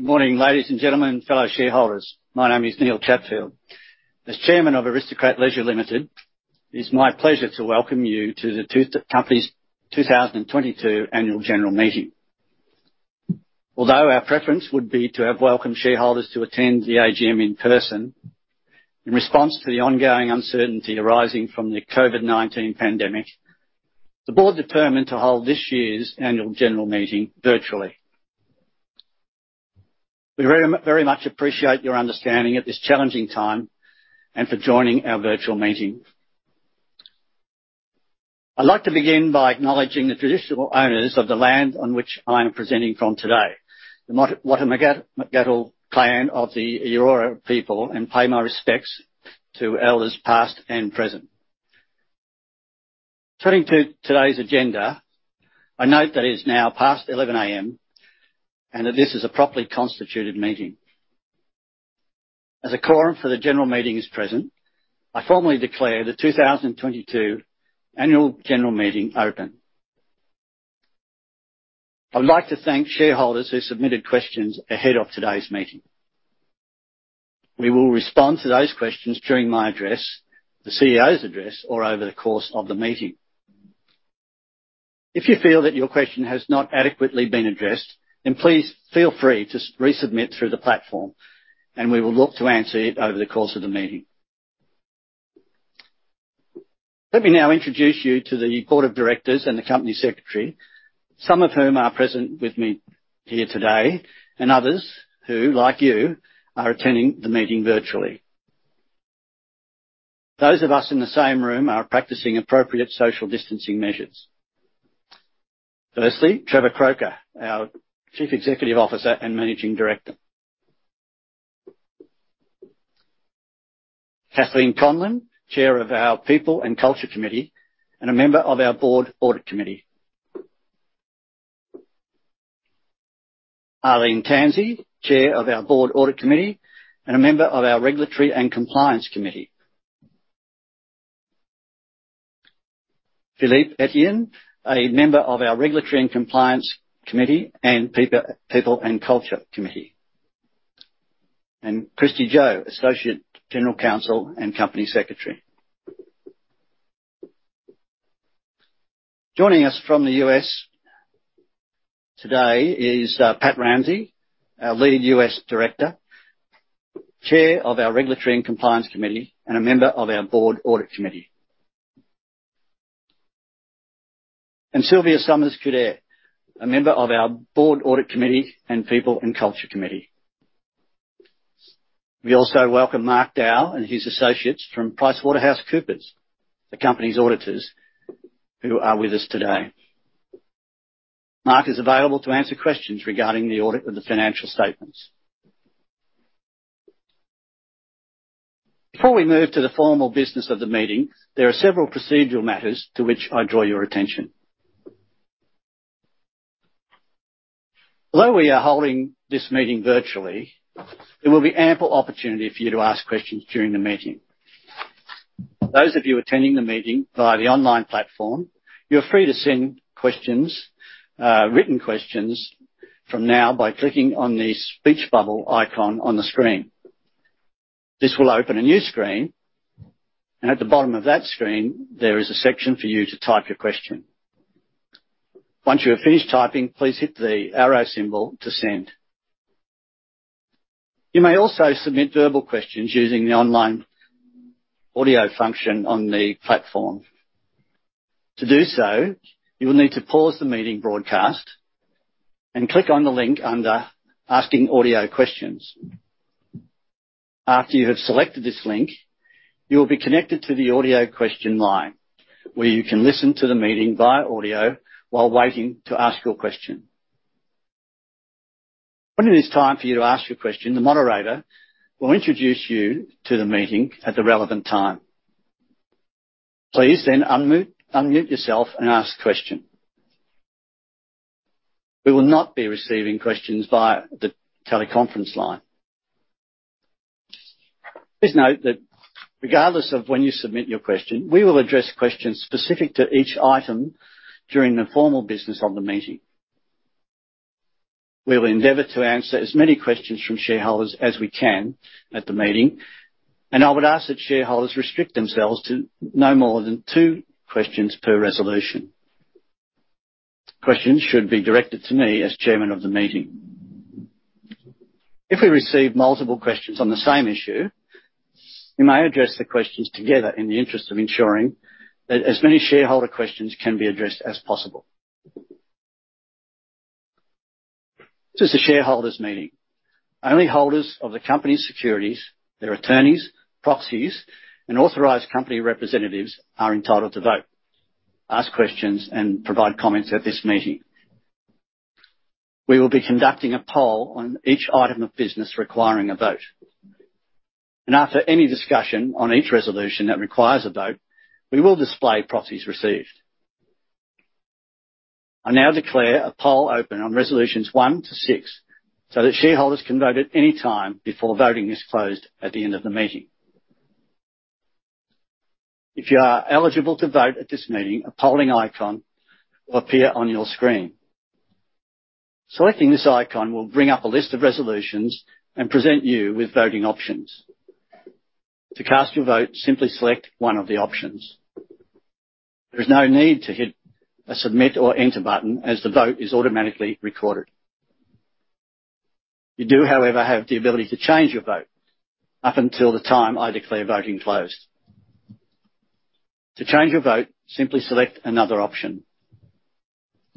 Good morning, ladies and gentlemen, fellow shareholders. My name is Neil Chatfield. As Chairman of Aristocrat Leisure Limited, it is my pleasure to welcome you to the company's 2022 Annual General Meeting. Although our preference would be to have welcomed shareholders to attend the AGM in person, in response to the ongoing uncertainty arising from the COVID-19 pandemic, the Board determined to hold this year's Annual General Meeting virtually. We very, very much appreciate your understanding at this challenging time and for joining our virtual meeting. I'd like to begin by acknowledging the traditional owners of the land on which I am presenting from today, the Wallumettagal clan of the Eora people, and pay my respects to elders past and present. Turning to today's agenda, I note that it is now past 11 A.M. and that this is a properly constituted meeting. As a quorum for the general meeting is present, I formally declare the 2022 Annual General Meeting open. I'd like to thank shareholders who submitted questions ahead of today's meeting. We will respond to those questions during my address, the CEO's address, or over the course of the meeting. If you feel that your question has not adequately been addressed, then please feel free to resubmit through the platform, and we will look to answer it over the course of the meeting. Let me now introduce you to the Board of Directors and the company secretary, some of whom are present with me here today, and others who, like you, are attending the meeting virtually. Those of us in the same room are practicing appropriate social distancing measures. Firstly, Trevor Croker, our Chief Executive Officer and Managing Director. Kathleen Conlon, Chair of our People and Culture Committee and a Member of our Board Audit Committee. Arlene Tansey, Chair of our Board Audit Committee and a member of our Regulatory and Compliance Committee. Philippe Etienne, a member of our Regulatory and Compliance Committee and People and Culture Committee. Kristy Zhou, Associate General Counsel and Company Secretary. Joining us from the U.S. today is Patrick Ramsey, our leading U.S. director, Chair of our Regulatory and Compliance Committee, and a member of our Board Audit Committee. Sylvia Summers Couder, a member of our Board Audit Committee and People and Culture Committee. We also welcome Mark Dow and his associates from PricewaterhouseCoopers, the company's auditors, who are with us today. Mark is available to answer questions regarding the audit of the financial statements. Before we move to the formal business of the meeting, there are several procedural matters to which I draw your attention. Although we are holding this meeting virtually, there will be ample opportunity for you to ask questions during the meeting. Those of you attending the meeting via the online platform, you are free to send questions, written questions from now by clicking on the speech bubble icon on the screen. This will open a new screen, and at the bottom of that screen, there is a section for you to type your question. Once you have finished typing, please hit the arrow symbol to send. You may also submit verbal questions using the online audio function on the platform. To do so, you will need to pause the meeting broadcast and click on the link under Asking Audio Questions. After you have selected this link, you will be connected to the audio question line, where you can listen to the meeting via audio while waiting to ask your question. When it is time for you to ask your question, the moderator will introduce you to the meeting at the relevant time. Please then unmute yourself and ask the question. We will not be receiving questions via the teleconference line. Please note that regardless of when you submit your question, we will address questions specific to each item during the formal business of the meeting. We will endeavor to answer as many questions from shareholders as we can at the meeting, and I would ask that shareholders restrict themselves to no more than two questions per resolution. Questions should be directed to me as Chairman of the meeting. If we receive multiple questions on the same issue, we may address the questions together in the interest of ensuring that as many shareholder questions can be addressed as possible. This is a shareholders meeting. Only holders of the company's securities, their attorneys, proxies, and authorized company representatives are entitled to vote, ask questions, and provide comments at this meeting. We will be conducting a poll on each item of business requiring a vote. After any discussion on each resolution that requires a vote, we will display proxies received. I now declare a poll open on resolutions one to six, so that shareholders can vote at any time before voting is closed at the end of the meeting. If you are eligible to vote at this meeting, a polling icon will appear on your screen. Selecting this icon will bring up a list of resolutions and present you with voting options. To cast your vote, simply select one of the options. There is no need to hit a Submit or Enter button, as the vote is automatically recorded. You do, however, have the ability to change your vote up until the time I declare voting closed. To change your vote, simply select another option.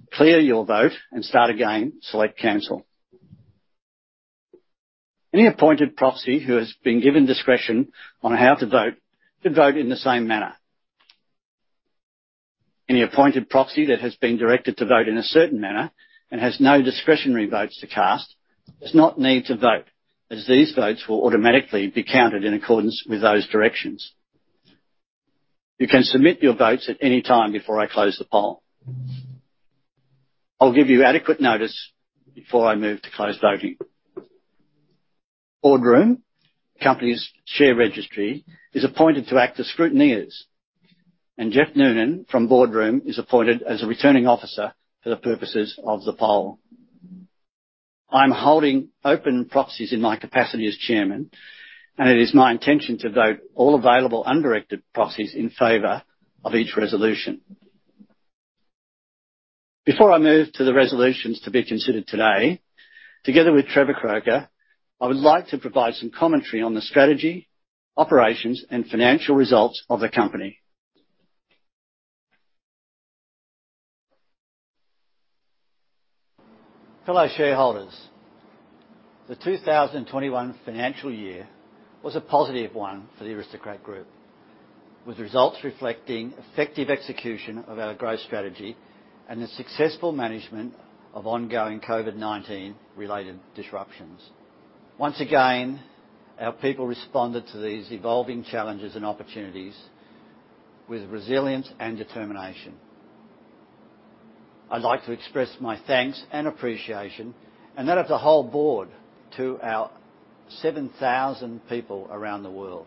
To clear your vote and start again, select Cancel. Any appointed proxy who has been given discretion on how to vote can vote in the same manner. Any appointed proxy that has been directed to vote in a certain manner and has no discretionary votes to cast does not need to vote, as these votes will automatically be counted in accordance with those directions. You can submit your votes at any time before I close the poll. I'll give you adequate notice before I move to close voting. BoardRoom, company's share registry, is appointed to act as scrutineers, and Geoff Noonan from Boardroom is appointed as a Returning Officer for the purposes of the poll. I'm holding open proxies in my capacity as Chairman, and it is my intention to vote all available undirected proxies in favor of each resolution. Before I move to the resolutions to be considered today, together with Trevor Croker, I would like to provide some commentary on the strategy, operations, and financial results of the company. Fellow shareholders, the 2021 financial year was a positive one for the Aristocrat Group, with results reflecting effective execution of our growth strategy and the successful management of ongoing COVID-19 related disruptions. Once again, our people responded to these evolving challenges and opportunities with resilience and determination. I'd like to express my thanks and appreciation, and that of the whole board, to our 7,000 people around the world.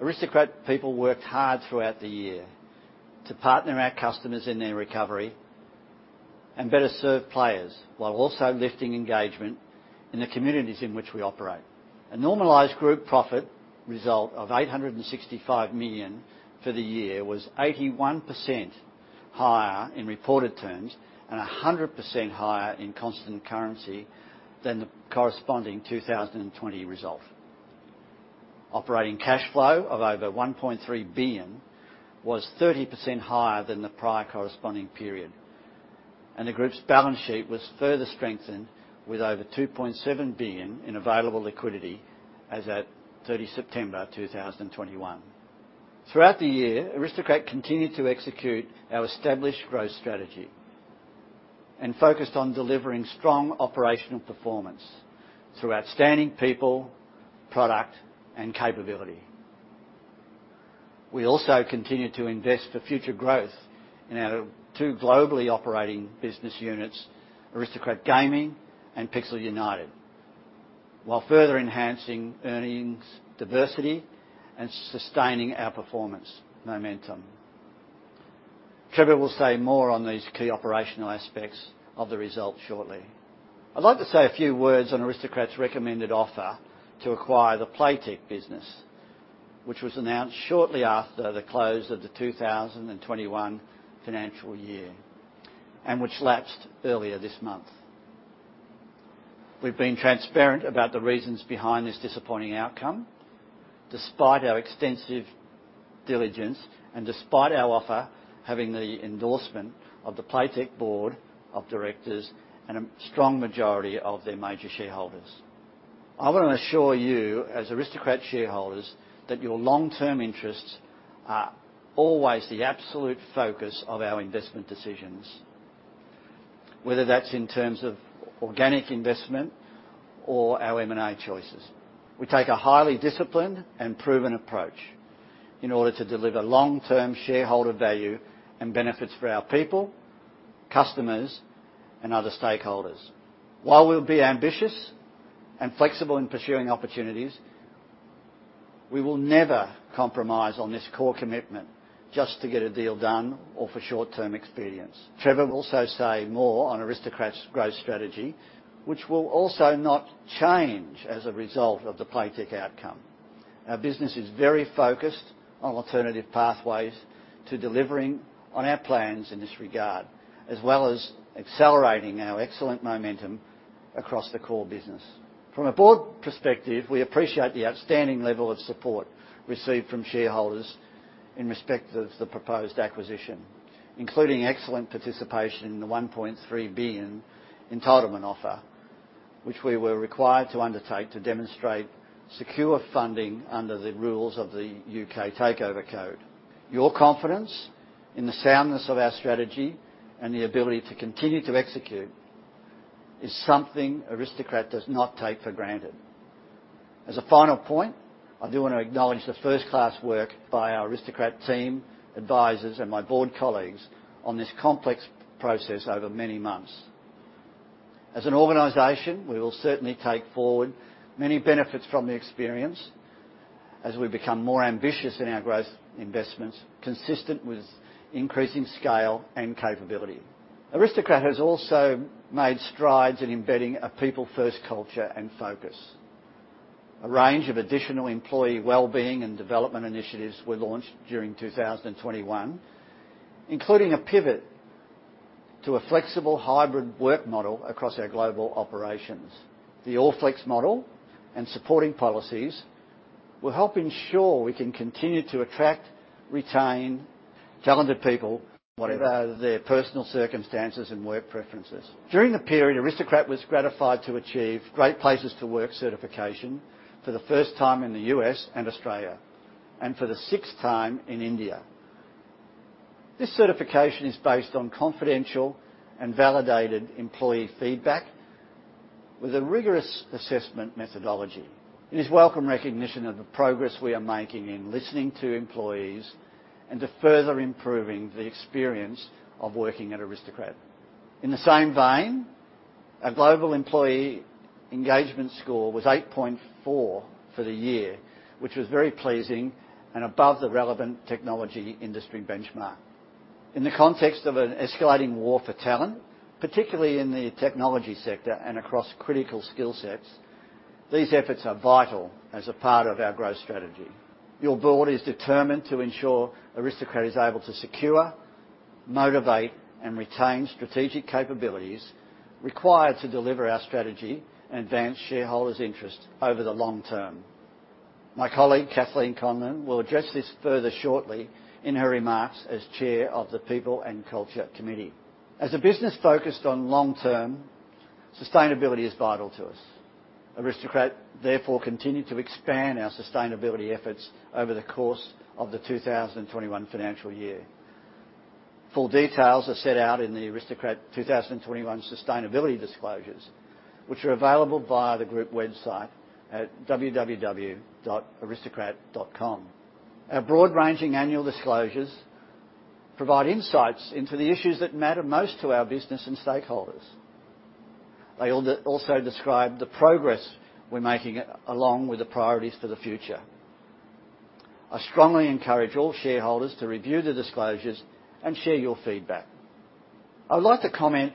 Aristocrat people worked hard throughout the year to partner our customers in their recovery and better serve players, while also lifting engagement in the communities in which we operate. A normalized group profit result of 865 million for the year was 81% higher in reported terms, and 100% higher in constant currency than the corresponding 2020 result. Operating cash flow of over 1.3 billion was 30% higher than the prior corresponding period, and the group's balance sheet was further strengthened with over 2.7 billion in available liquidity as at 30 September, 2021. Throughout the year, Aristocrat continued to execute our established growth strategy and focused on delivering strong operational performance through outstanding people, product, and capability. We also continued to invest for future growth in our two globally operating business units, Aristocrat Gaming and Pixel United, while further enhancing earnings diversity and sustaining our performance momentum. Trevor will say more on these key operational aspects of the result shortly. I'd like to say a few words on Aristocrat's recommended offer to acquire the Playtech business, which was announced shortly after the close of the 2021 financial year, and which lapsed earlier this month. We've been transparent about the reasons behind this disappointing outcome, despite our extensive diligence and despite our offer having the endorsement of the Playtech Board of Directors and a strong majority of their major shareholders. I wanna assure you, as Aristocrat shareholders, that your long-term interests are always the absolute focus of our investment decisions, whether that's in terms of organic investment or our M&A choices. We take a highly disciplined and proven approach in order to deliver long-term shareholder value and benefits for our people, customers, and other stakeholders. While we'll be ambitious and flexible in pursuing opportunities, we will never compromise on this core commitment just to get a deal done or for short-term expedience. Trevor will also say more on Aristocrat's growth strategy, which will also not change as a result of the Playtech outcome. Our business is very focused on alternative pathways to delivering on our plans in this regard, as well as accelerating our excellent momentum across the core business. From a Board perspective, we appreciate the outstanding level of support received from shareholders in respect of the proposed acquisition, including excellent participation in the 1.3 billion entitlement offer, which we were required to undertake to demonstrate secure funding under the rules of the U.K. Takeover Code. Your confidence in the soundness of our strategy and the ability to continue to execute is something Aristocrat does not take for granted. As a final point, I do wanna acknowledge the first-class work by our Aristocrat team, advisors, and my board colleagues on this complex process over many months. As an organization, we will certainly take forward many benefits from the experience as we become more ambitious in our growth investments, consistent with increasing scale and capability. Aristocrat has also made strides in embedding a people-first culture and focus. A range of additional employee well-being and development initiatives were launched during 2021, including a pivot to a flexible hybrid work model across our global operations. The all-flex model and supporting policies will help ensure we can continue to attract, retain talented people whatever their personal circumstances and work preferences. During the period, Aristocrat was gratified to achieve Great Place to Work certification for the first time in the U.S. and Australia, and for the sixth time in India. This certification is based on confidential and validated employee feedback with a rigorous assessment methodology. It is welcome recognition of the progress we are making in listening to employees, and to further improving the experience of working at Aristocrat. In the same vein, our global employee engagement score was 8.4 for the year, which was very pleasing and above the relevant technology industry benchmark. In the context of an escalating war for talent, particularly in the technology sector and across critical skill sets, these efforts are vital as a part of our growth strategy. Your board is determined to ensure Aristocrat is able to secure, motivate, and retain strategic capabilities required to deliver our strategy and advance shareholders' interest over the long term. My colleague, Kathleen Conlon, will address this further shortly in her remarks as chair of the People and Culture Committee. As a business focused on long term, sustainability is vital to us. Aristocrat therefore continued to expand our sustainability efforts over the course of the 2021 financial year. Full details are set out in the Aristocrat 2021 sustainability disclosures, which are available via the group website at www.aristocrat.com. Our broad-ranging annual disclosures provide insights into the issues that matter most to our business and stakeholders. They also describe the progress we're making along with the priorities for the future. I strongly encourage all shareholders to review the disclosures and share your feedback. I would like to comment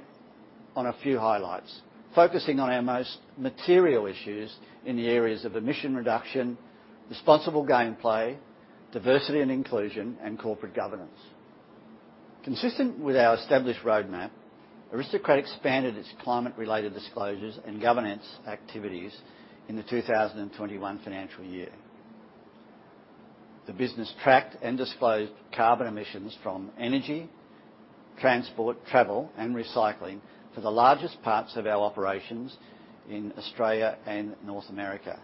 on a few highlights, focusing on our most material issues in the areas of emission reduction, responsible gameplay, diversity and inclusion, and corporate governance. Consistent with our established roadmap, Aristocrat expanded its climate-related disclosures and governance activities in the 2021 financial year. The business tracked and disclosed carbon emissions from energy, transport, travel, and recycling for the largest parts of our operations in Australia and North America.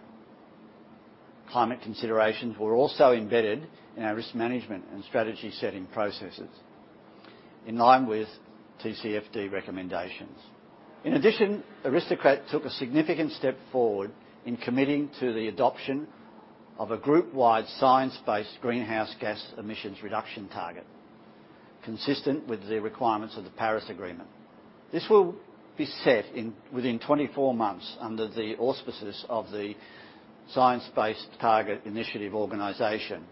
Climate considerations were also embedded in our risk management and strategy-setting processes in line with TCFD recommendations. In addition, Aristocrat took a significant step forward in committing to the adoption of a group-wide science-based greenhouse gas emissions reduction target consistent with the requirements of the Paris Agreement. This will be set within 24 months under the auspices of the Science Based Targets initiative organization.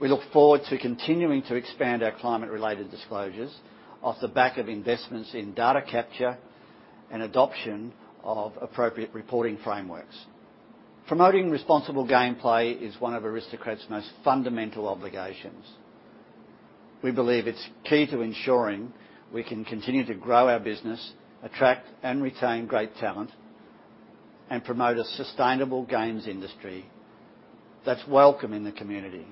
We look forward to continuing to expand our climate-related disclosures off the back of investments in data capture and adoption of appropriate reporting frameworks. Promoting responsible gameplay is one of Aristocrat's most fundamental obligations. We believe it's key to ensuring we can continue to grow our business, attract and retain great talent, and promote a sustainable games industry that's welcome in the community.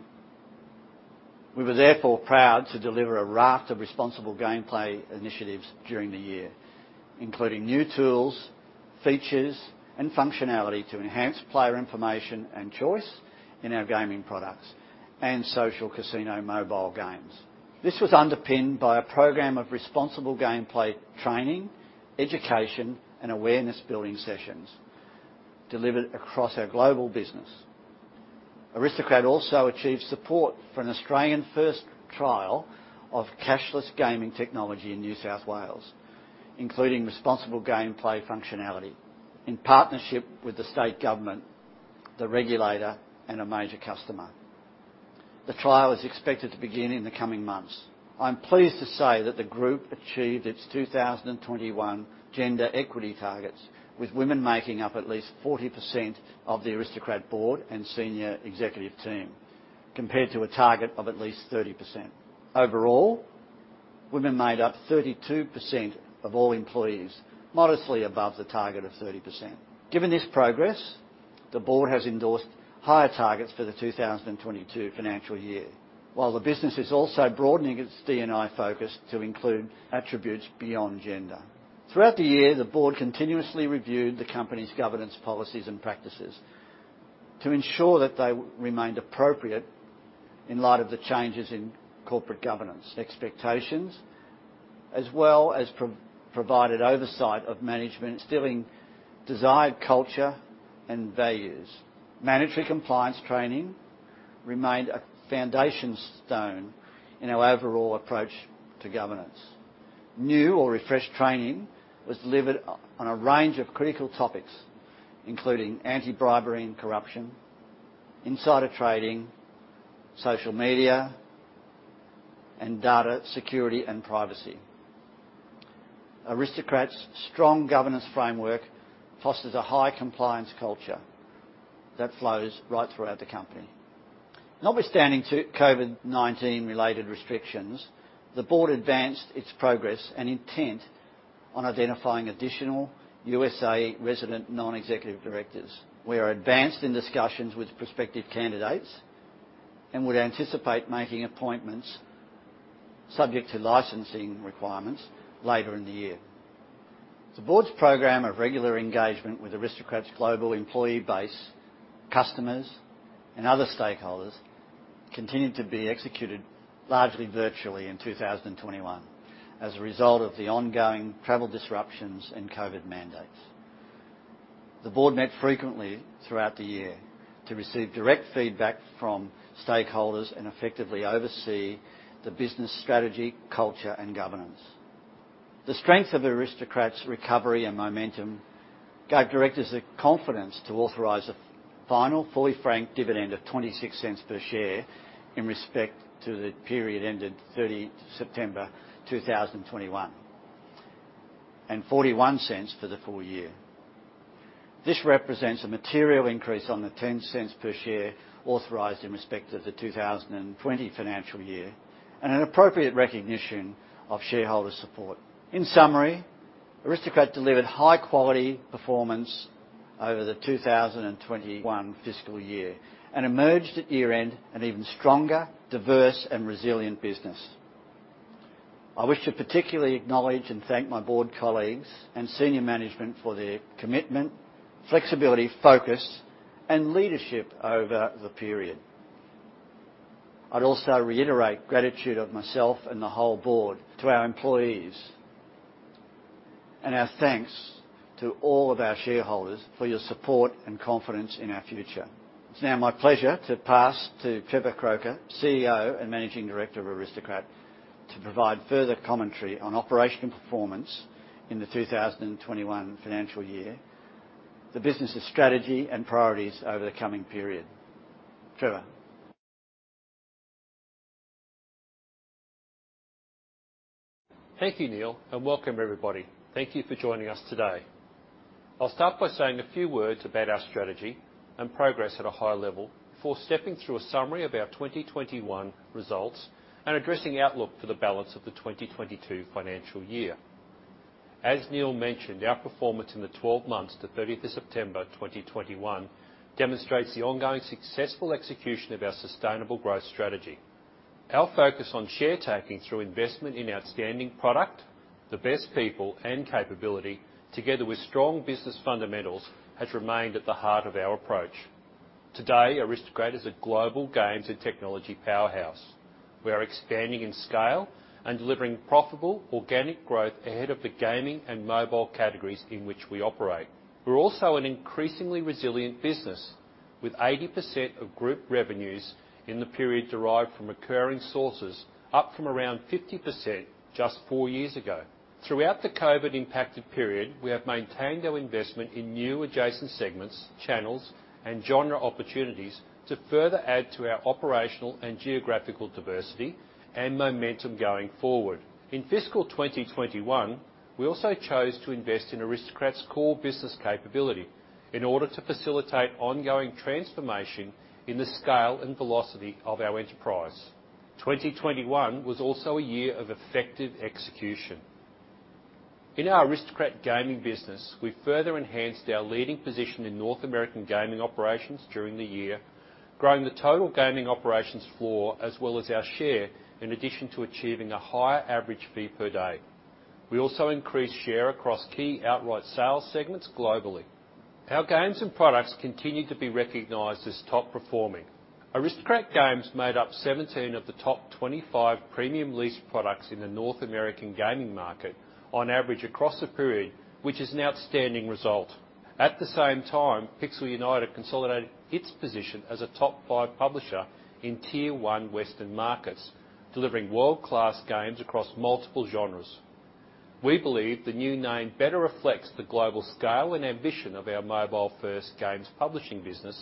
We were therefore proud to deliver a raft of responsible gameplay initiatives during the year, including new tools, features, and functionality to enhance player information and choice in our gaming products and social casino mobile games. This was underpinned by a program of responsible gameplay training, education, and awareness building sessions delivered across our global business. Aristocrat also achieved support for an Australian-first trial of cashless gaming technology in New South Wales, including responsible gameplay functionality in partnership with the state government, the regulator, and a major customer. The trial is expected to begin in the coming months. I'm pleased to say that the group achieved its 2021 gender equity targets, with women making up at least 40% of the Aristocrat board and senior executive team, compared to a target of at least 30%. Overall, women made up 32% of all employees, modestly above the target of 30%. Given this progress, the board has endorsed higher targets for the 2022 financial year, while the business is also broadening its D&I focus to include attributes beyond gender. Throughout the year, the board continuously reviewed the company's governance policies and practices to ensure that they remained appropriate in light of the changes in corporate governance expectations, as well as provided oversight of management instilling desired culture and values. Mandatory compliance training remained a foundation stone in our overall approach to governance. New or refreshed training was delivered on a range of critical topics, including anti-bribery and corruption, insider trading, social media, and data security and privacy. Aristocrat's strong governance framework fosters a high compliance culture that flows right throughout the company. Notwithstanding the COVID-19 related restrictions, the board advanced its progress and intent on identifying additional U.S. resident non-executive directors. We are advanced in discussions with prospective candidates and would anticipate making appointments subject to licensing requirements later in the year. The board's program of regular engagement with Aristocrat's global employee base, customers, and other stakeholders continued to be executed largely virtually in 2021 as a result of the ongoing travel disruptions and COVID mandates. The board met frequently throughout the year to receive direct feedback from stakeholders and effectively oversee the business strategy, culture and governance. The strength of Aristocrat's recovery and momentum gave directors the confidence to authorize a final fully franked dividend of 0.26 per share in respect to the period ended 30 September 2021, and 0.41 for the full year. This represents a material increase on the 0.10 per share authorized in respect to the 2020 financial year, and an appropriate recognition of shareholder support. In summary, Aristocrat delivered high quality performance over the 2021 fiscal year and emerged at year-end an even stronger, diverse, and resilient business. I wish to particularly acknowledge and thank my board colleagues and senior management for their commitment, flexibility, focus, and leadership over the period. I'd also reiterate gratitude of myself and the whole board to our employees, and our thanks to all of our shareholders for your support and confidence in our future. It's now my pleasure to pass to Trevor Croker, CEO and Managing Director of Aristocrat, to provide further commentary on operational performance in the 2021 financial year, the business' strategy and priorities over the coming period. Trevor? Thank you, Neil, and welcome everybody. Thank you for joining us today. I'll start by saying a few words about our strategy and progress at a high level before stepping through a summary of our 2021 results and addressing outlook for the balance of the 2022 financial year. As Neil mentioned, our performance in the 12 months to 30 September 2021 demonstrates the ongoing successful execution of our sustainable growth strategy. Our focus on share taking through investment in outstanding product, the best people and capability together with strong business fundamentals has remained at the heart of our approach. Today, Aristocrat is a global games and technology powerhouse. We are expanding in scale and delivering profitable organic growth ahead of the gaming and mobile categories in which we operate. We're also an increasingly resilient business with 80% of group revenues in the period derived from recurring sources up from around 50% just four years ago. Throughout the COVID impacted period, we have maintained our investment in new adjacent segments, channels, and genre opportunities to further add to our operational and geographical diversity and momentum going forward. In fiscal 2021, we also chose to invest in Aristocrat's core business capability in order to facilitate ongoing transformation in the scale and velocity of our enterprise. 2021 was also a year of effective execution. In our Aristocrat Gaming business, we further enhanced our leading position in North American gaming operations during the year, growing the total gaming operations floor as well as our share in addition to achieving a higher average fee per day. We also increased share across key outright sales segments globally. Our games and products continued to be recognized as top performing. Aristocrat Gaming made up 17 of the top 25 premium lease products in the North American gaming market on average across the period, which is an outstanding result. At the same time, Pixel United consolidated its position as a top five publisher in Tier 1 Western markets, delivering world-class games across multiple genres. We believe the new name better reflects the global scale and ambition of our mobile-first games publishing business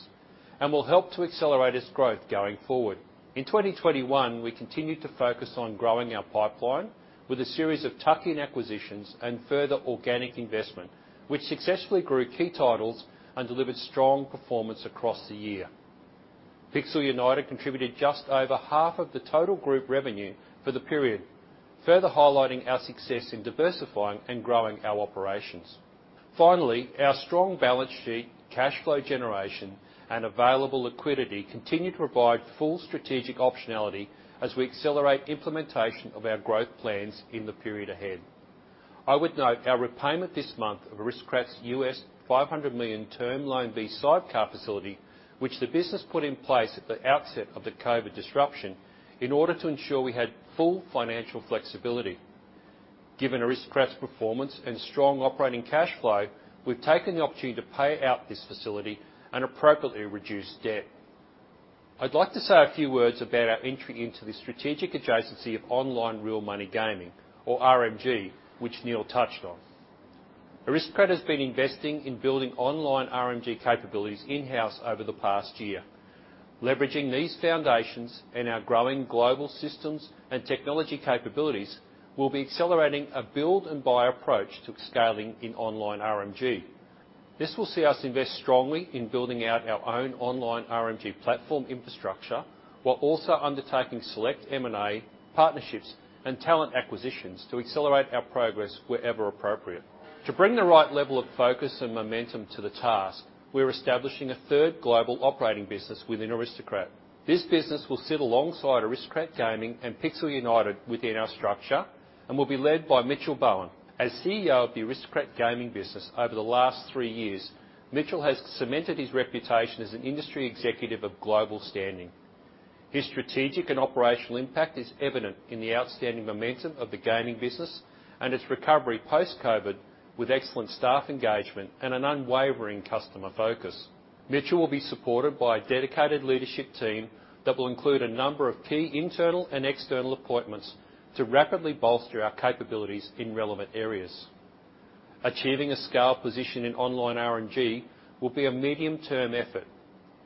and will help to accelerate its growth going forward. In 2021, we continued to focus on growing our pipeline with a series of tuck-in acquisitions and further organic investment, which successfully grew key titles and delivered strong performance across the year. Pixel United contributed just over half of the total group revenue for the period, further highlighting our success in diversifying and growing our operations. Finally, our strong balance sheet, cash flow generation, and available liquidity continue to provide full strategic optionality as we accelerate implementation of our growth plans in the period ahead. I would note our repayment this month of Aristocrat's $500 million Term Loan B sidecar facility, which the business put in place at the outset of the COVID disruption, in order to ensure we had full financial flexibility. Given Aristocrat's performance and strong operating cash flow, we've taken the opportunity to pay out this facility and appropriately reduce debt. I'd like to say a few words about our entry into the strategic adjacency of online real money gaming or RMG, which Neil touched on. Aristocrat has been investing in building online RMG capabilities in-house over the past year. Leveraging these foundations and our growing global systems and technology capabilities, we'll be accelerating a build and buy approach to scaling in online RMG. This will see us invest strongly in building out our own online RMG platform infrastructure, while also undertaking select M&A partnerships and talent acquisitions to accelerate our progress wherever appropriate. To bring the right level of focus and momentum to the task, we're establishing a third global operating business within Aristocrat. This business will sit alongside Aristocrat Gaming and Pixel United within our structure and will be led by Mitchell Bowen. As CEO of the Aristocrat Gaming business over the last three years, Mitchell has cemented his reputation as an industry executive of global standing. His strategic and operational impact is evident in the outstanding momentum of the gaming business and its recovery post-COVID, with excellent staff engagement and an unwavering customer focus. Mitchell will be supported by a dedicated leadership team that will include a number of key internal and external appointments to rapidly bolster our capabilities in relevant areas. Achieving a scale position in online RMG will be a medium-term effort.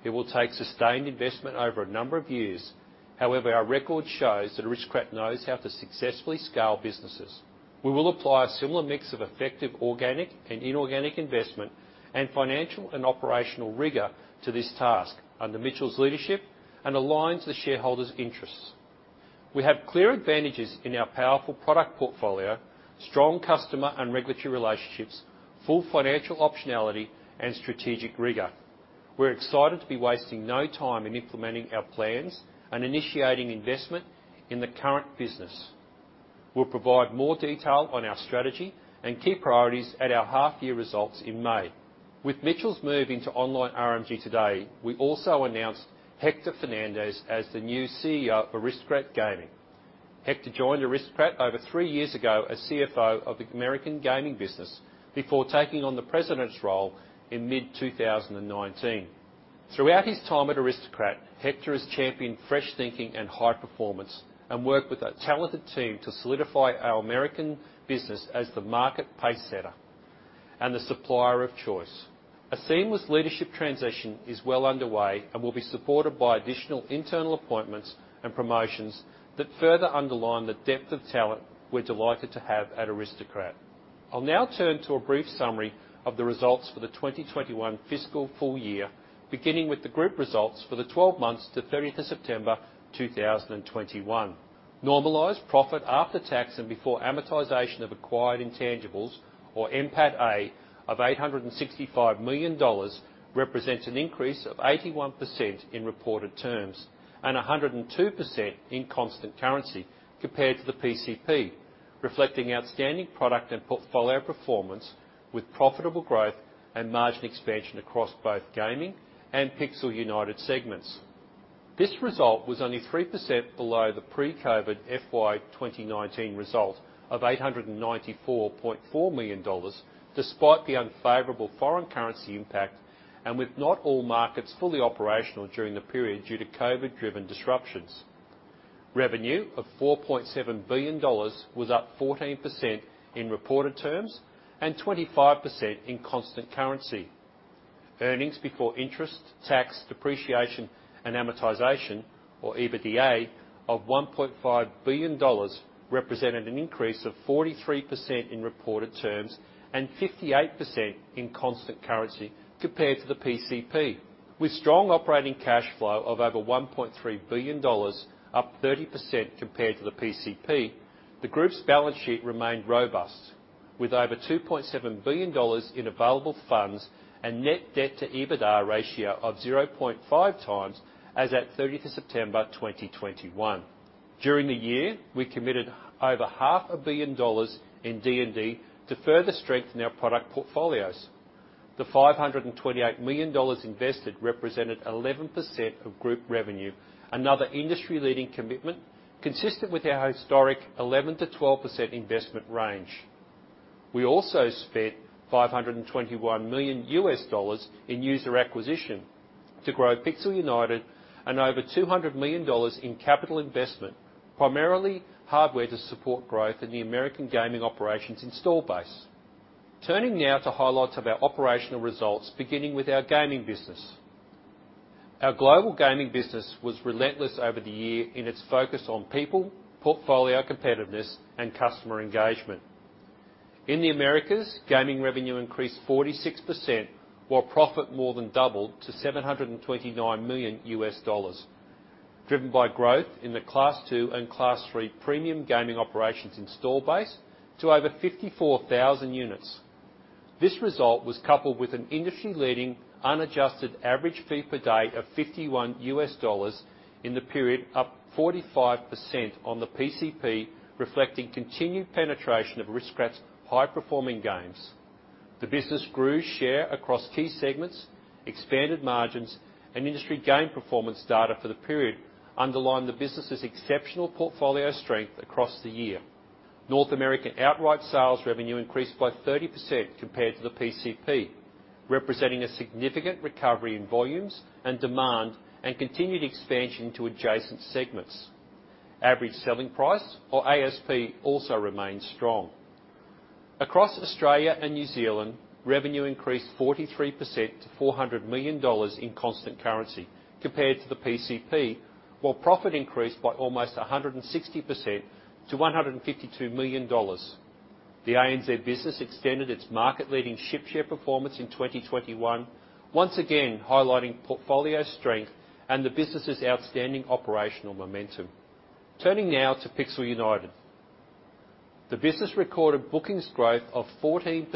It will take sustained investment over a number of years. However, our record shows that Aristocrat knows how to successfully scale businesses. We will apply a similar mix of effective organic and inorganic investment and financial and operational rigor to this task under Mitchell's leadership and aligns the shareholders' interests. We have clear advantages in our powerful product portfolio, strong customer and regulatory relationships, full financial optionality, and strategic rigor. We're excited to be wasting no time in implementing our plans and initiating investment in the current business. We'll provide more detail on our strategy and key priorities at our half-year results in May. With Mitchell's move into online RMG today, we also announced Hector Fernandez as the new CEO for Aristocrat Gaming. Hector joined Aristocrat over three years ago as CFO of the American gaming business before taking on the President's role in mid-2019. Throughout his time at Aristocrat, Hector has championed fresh thinking and high performance and worked with a talented team to solidify our American business as the market pacesetter and the supplier of choice. A seamless leadership transition is well underway and will be supported by additional internal appointments and promotions that further underline the depth of talent we're delighted to have at Aristocrat. I'll now turn to a brief summary of the results for the 2021 fiscal full year, beginning with the group results for the 12 months to 30 September 2021. Normalized profit after tax and before amortization of acquired intangibles, or NPATA, of 865 million dollars represents an increase of 81% in reported terms and 102% in constant currency compared to the PCP, reflecting outstanding product and portfolio performance with profitable growth and margin expansion across both gaming and Pixel United segments. This result was only 3% below the pre-COVID FY 2019 result of 894.4 million dollars, despite the unfavorable foreign currency impact and with not all markets fully operational during the period due to COVID-driven disruptions. Revenue of 4.7 billion dollars was up 14% in reported terms and 25% in constant currency. Earnings before interest, tax, depreciation, and amortization, or EBITDA, of 1.5 billion dollars represented an increase of 43% in reported terms and 58% in constant currency compared to the PCP. With strong operating cash flow of over 1.3 billion dollars, up 30% compared to the PCP, the group's balance sheet remained robust with over 2.7 billion dollars in available funds and net debt to EBITDA ratio of 0.5 times as at 30 September 2021. During the year, we committed over AUD half a billion in D&D to further strengthen our product portfolios. The 528 million dollars invested represented 11% of group revenue, another industry-leading commitment consistent with our historic 11%-12% investment range. We also spent $521 million in user acquisition to grow Pixel United and over $200 million in capital investment, primarily hardware to support growth in the American gaming operations install base. Turning now to highlights of our operational results, beginning with our gaming business. Our global gaming business was relentless over the year in its focus on people, portfolio competitiveness, and customer engagement. In the Americas, gaming revenue increased 46%, while profit more than doubled to $729 million, driven by growth in the Class II and Class III premium gaming operations install base to over 54,000 units. This result was coupled with an industry-leading unadjusted average fee per day of $51 in the period, up 45% on the PCP, reflecting continued penetration of Aristocrat's high-performing games. The business grew share across key segments, expanded margins, and industry gain performance data for the period underlined the business's exceptional portfolio strength across the year. North American outright sales revenue increased by 30% compared to the PCP, representing a significant recovery in volumes and demand, and continued expansion to adjacent segments. Average selling price, or ASP, also remained strong. Across Australia and New Zealand, revenue increased 43% to 400 million dollars in constant currency compared to the PCP, while profit increased by almost 160% to 152 million dollars. The ANZ business extended its market-leading market share performance in 2021, once again highlighting portfolio strength and the business' outstanding operational momentum. Turning now to Pixel United. The business recorded bookings growth of 14%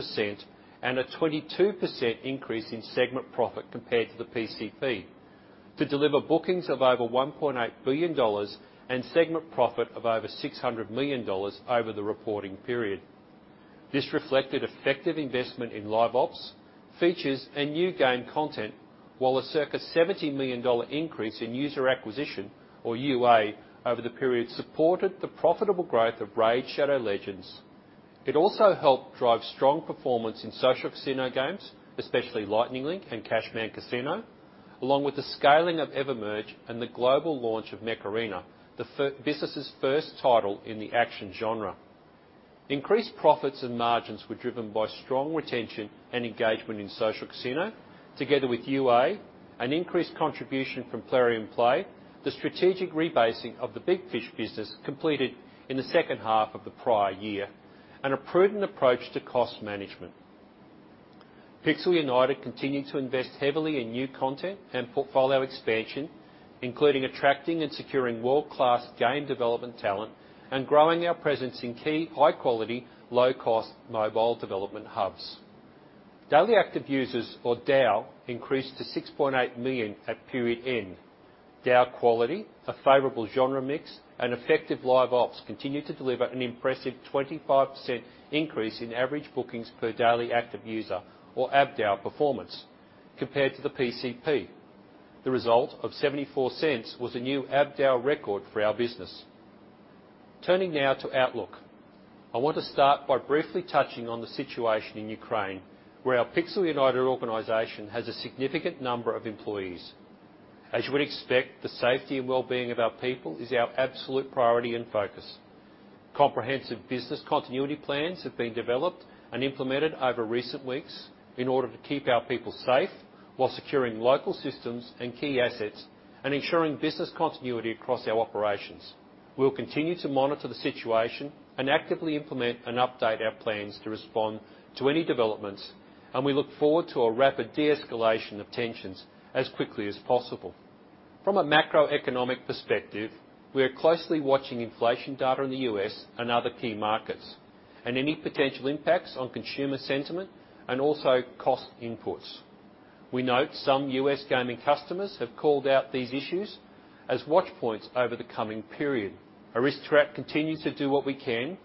and a 22% increase in segment profit compared to the PCP to deliver bookings of over $1.8 billion and segment profit of over $600 million over the reporting period. This reflected effective investment in live ops, features, and new game content, while a circa $70 million increase in User Acquisition, or UA, over the period supported the profitable growth of RAID: Shadow Legends. It also helped drive strong performance in social casino games, especially Lightning Link and Cashman Casino, along with the scaling of EverMerge and the global launch of Mech Arena, the business' first title in the action genre. Increased profits and margins were driven by strong retention and engagement in social casino, together with UA, an increased contribution from Plarium Play, the strategic rebasing of the Big Fish business completed in the second half of the prior year, and a prudent approach to cost management. Pixel United continued to invest heavily in new content and portfolio expansion, including attracting and securing world-class game development talent and growing our presence in key high-quality, low-cost mobile development hubs. Daily active users, or DAU, increased to 6.8 million at period end. DAU quality, a favorable genre mix, and effective live ops continued to deliver an impressive 25% increase in average bookings per daily active user or ABDAU performance compared to the PCP. The result of 0.74 was a new ABDAU record for our business. Turning now to outlook. I want to start by briefly touching on the situation in Ukraine, where our Pixel United organization has a significant number of employees. As you would expect, the safety and well-being of our people is our absolute priority and focus. Comprehensive business continuity plans have been developed and implemented over recent weeks in order to keep our people safe while securing local systems and key assets and ensuring business continuity across our operations. We'll continue to monitor the situation and actively implement and update our plans to respond to any developments, and we look forward to a rapid de-escalation of tensions as quickly as possible. From a macroeconomic perspective, we are closely watching inflation data in the U.S. and other key markets, and any potential impacts on consumer sentiment and also cost inputs. We note some U.S. gaming customers have called out these issues as watch points over the coming period. Aristocrat continues to do what we can,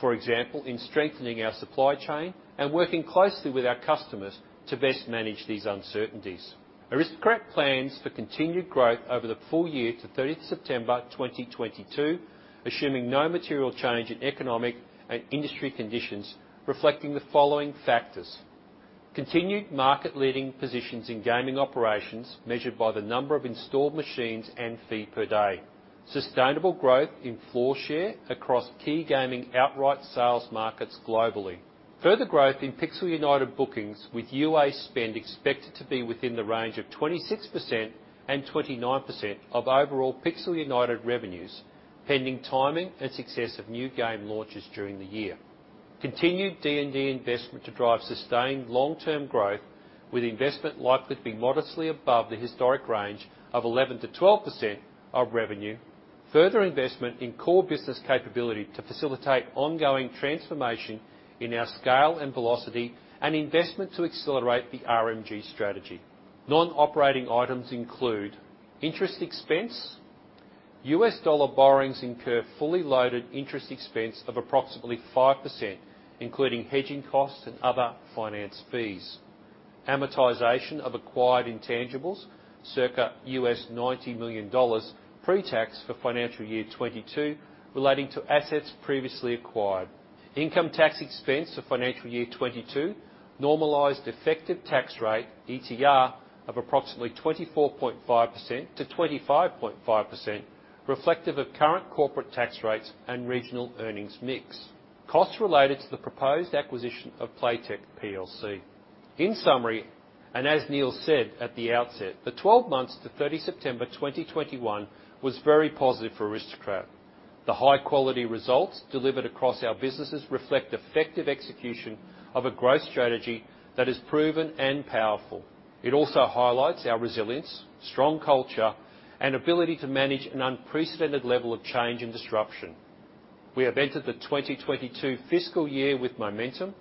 for example, in strengthening our supply chain and working closely with our customers to best manage these uncertainties. Aristocrat plans for continued growth over the full year to 30 September 2022, assuming no material change in economic and industry conditions, reflecting the following factors. Continued market-leading positions in gaming operations measured by the number of installed machines and fee per day. Sustainable growth in floor share across key gaming outright sales markets globally. Further growth in Pixel United bookings with UA spend expected to be within the range of 26%-29% of overall Pixel United revenues, pending timing and success of new game launches during the year. Continued D&D investment to drive sustained long-term growth, with investment likely to be modestly above the historic range of 11%-12% of revenue. Further investment in core business capability to facilitate ongoing transformation in our scale and velocity, and investment to accelerate the RMG strategy. Non-operating items include interest expense. U.S. dollar borrowings incur fully loaded interest expense of approximately 5%, including hedging costs and other finance fees. Amortization of acquired intangibles, circa $90 million pre-tax for FY 2022, relating to assets previously acquired. Income tax expense for FY 2022, normalized effective tax rate, ETR, of approximately 24.5%-25.5%, reflective of current corporate tax rates and regional earnings mix. Costs related to the proposed acquisition of Playtech plc. In summary, as Neil said at the outset, the 12 months to 30 September 2021 was very positive for Aristocrat. The high-quality results delivered across our businesses reflect effective execution of a growth strategy that is proven and powerful. It also highlights our resilience, strong culture, and ability to manage an unprecedented level of change and disruption. We have entered the 2022 fiscal year with momentum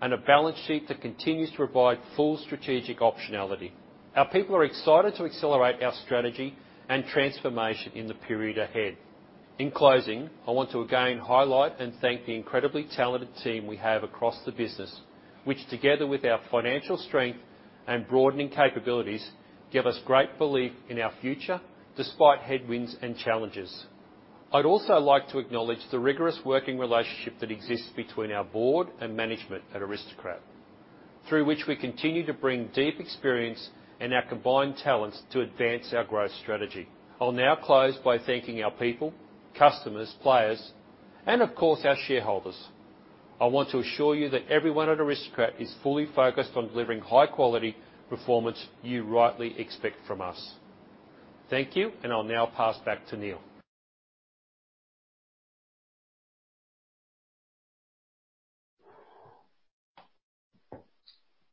and a balance sheet that continues to provide full strategic optionality. Our people are excited to accelerate our strategy and transformation in the period ahead. In closing, I want to again highlight and thank the incredibly talented team we have across the business, which together with our financial strength and broadening capabilities, give us great belief in our future despite headwinds and challenges. I'd also like to acknowledge the rigorous working relationship that exists between our board and management at Aristocrat, through which we continue to bring deep experience and our combined talents to advance our growth strategy. I'll now close by thanking our people, customers, players, and of course, our shareholders. I want to assure you that everyone at Aristocrat is fully focused on delivering high-quality performance you rightly expect from us. Thank you, and I'll now pass back to Neil.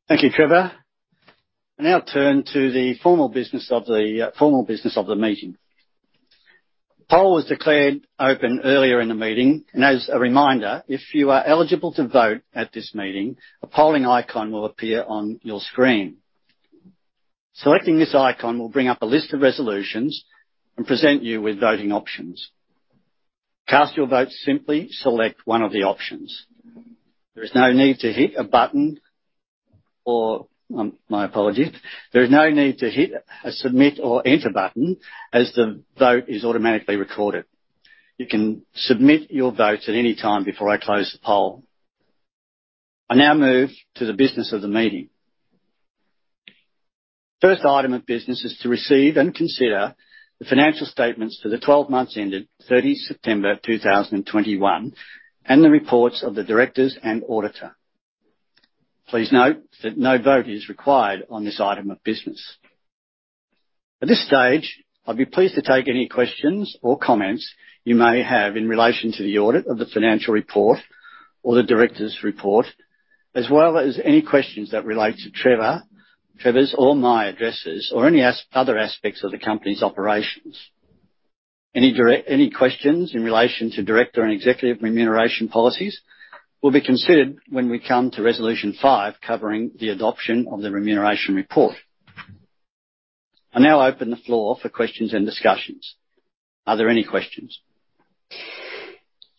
Thank you, Trevor. I now turn to the formal business of the meeting. Poll was declared open earlier in the meeting, and as a reminder, if you are eligible to vote at this meeting, a polling icon will appear on your screen. Selecting this icon will bring up a list of resolutions and present you with voting options. Cast your vote, simply select one of the options. There is no need to hit a Submit or Enter button as the vote is automatically recorded. You can submit your votes at any time before I close the poll. I now move to the business of the meeting. First item of business is to receive and consider the financial statements for the 12 months ended 30 September 2021, and the reports of the directors and auditor. Please note that no vote is required on this item of business. At this stage, I'd be pleased to take any questions or comments you may have in relation to the audit of the financial report or the directors' report, as well as any questions that relate to Trevor's or my addresses, or any other aspects of the company's operations. Any questions in relation to director and executive remuneration policies will be considered when we come to resolution five, covering the adoption of the remuneration report. I now open the floor for questions and discussions. Are there any questions?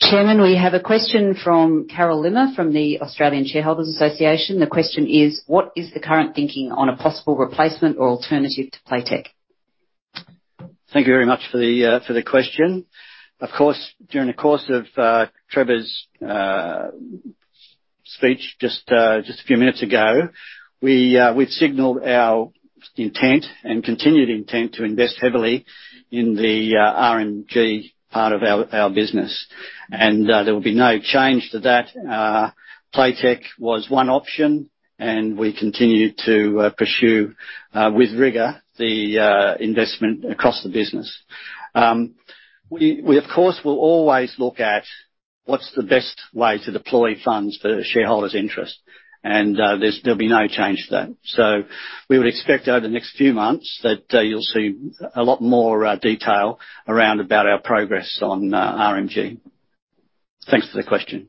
Chairman, we have a question from Carol Limmer from the Australian Shareholders' Association. The question is, what is the current thinking on a possible replacement or alternative to Playtech? Thank you very much for the question. Of course, during the course of Trevor's speech just a few minutes ago, we've signaled our intent and continued intent to invest heavily in the RMG part of our business. There will be no change to that. Playtech was one option, and we continue to pursue with rigor the investment across the business. We of course will always look at what's the best way to deploy funds for shareholders' interest, and there'll be no change to that. We would expect over the next few months that you'll see a lot more detail around about our progress on RMG. Thanks for the question.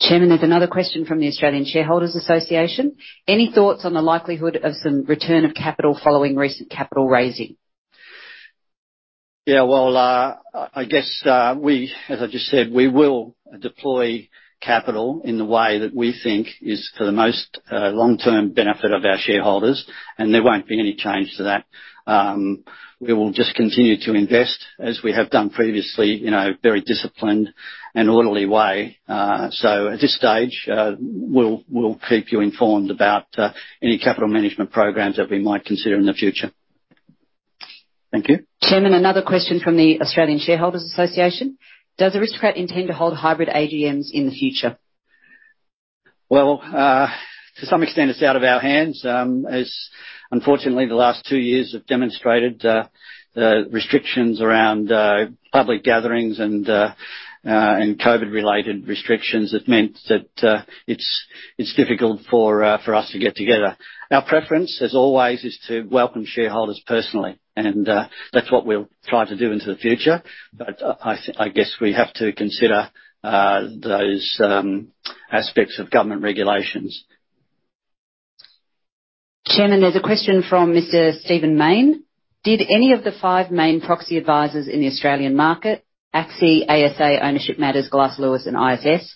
Chairman, there's another question from the Australian Shareholders' Association. Any thoughts on the likelihood of some return of capital following recent capital raising? Yeah, well, I guess, as I just said, we will deploy capital in the way that we think is for the most long-term benefit of our shareholders, and there won't be any change to that. We will just continue to invest as we have done previously, in a very disciplined and orderly way. At this stage, we'll keep you informed about any capital management programs that we might consider in the future. Thank you. Chairman, another question from the Australian Shareholders' Association. Does Aristocrat intend to hold hybrid AGMs in the future? Well, to some extent, it's out of our hands, as unfortunately, the last two years have demonstrated restrictions around public gatherings and COVID-related restrictions. It meant that it's difficult for us to get together. Our preference, as always, is to welcome shareholders personally, and that's what we'll try to do into the future. I guess we have to consider those aspects of government regulations. Chairman, there's a question from Mr. Stephen Mayne. Did any of the five main proxy advisors in the Australian market, ACSI, ASA, Ownership Matters, Glass Lewis, and ISS,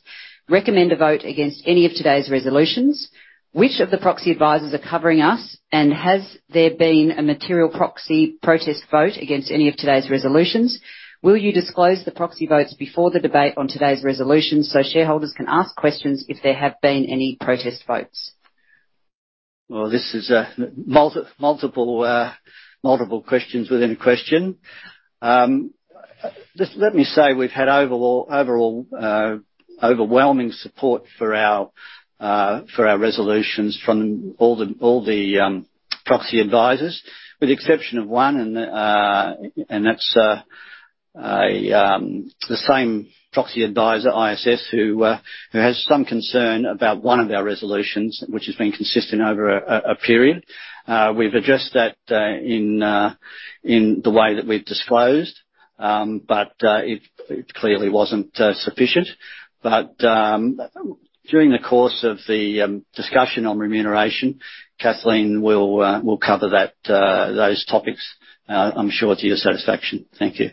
recommend a vote against any of today's resolutions? Which of the proxy advisors are covering us, and has there been a material proxy protest vote against any of today's resolutions? Will you disclose the proxy votes before the debate on today's resolutions so shareholders can ask questions if there have been any protest votes? Well, this is multiple questions within a question. Just let me say we've had overall overwhelming support for our resolutions from all the proxy advisors, with the exception of one, and that's the same proxy advisor, ISS, who has some concern about one of our resolutions, which has been consistent over a period. We've addressed that in the way that we've disclosed, but it clearly wasn't sufficient. During the course of the discussion on remuneration, Kathleen will cover those topics, I'm sure to your satisfaction. Thank you.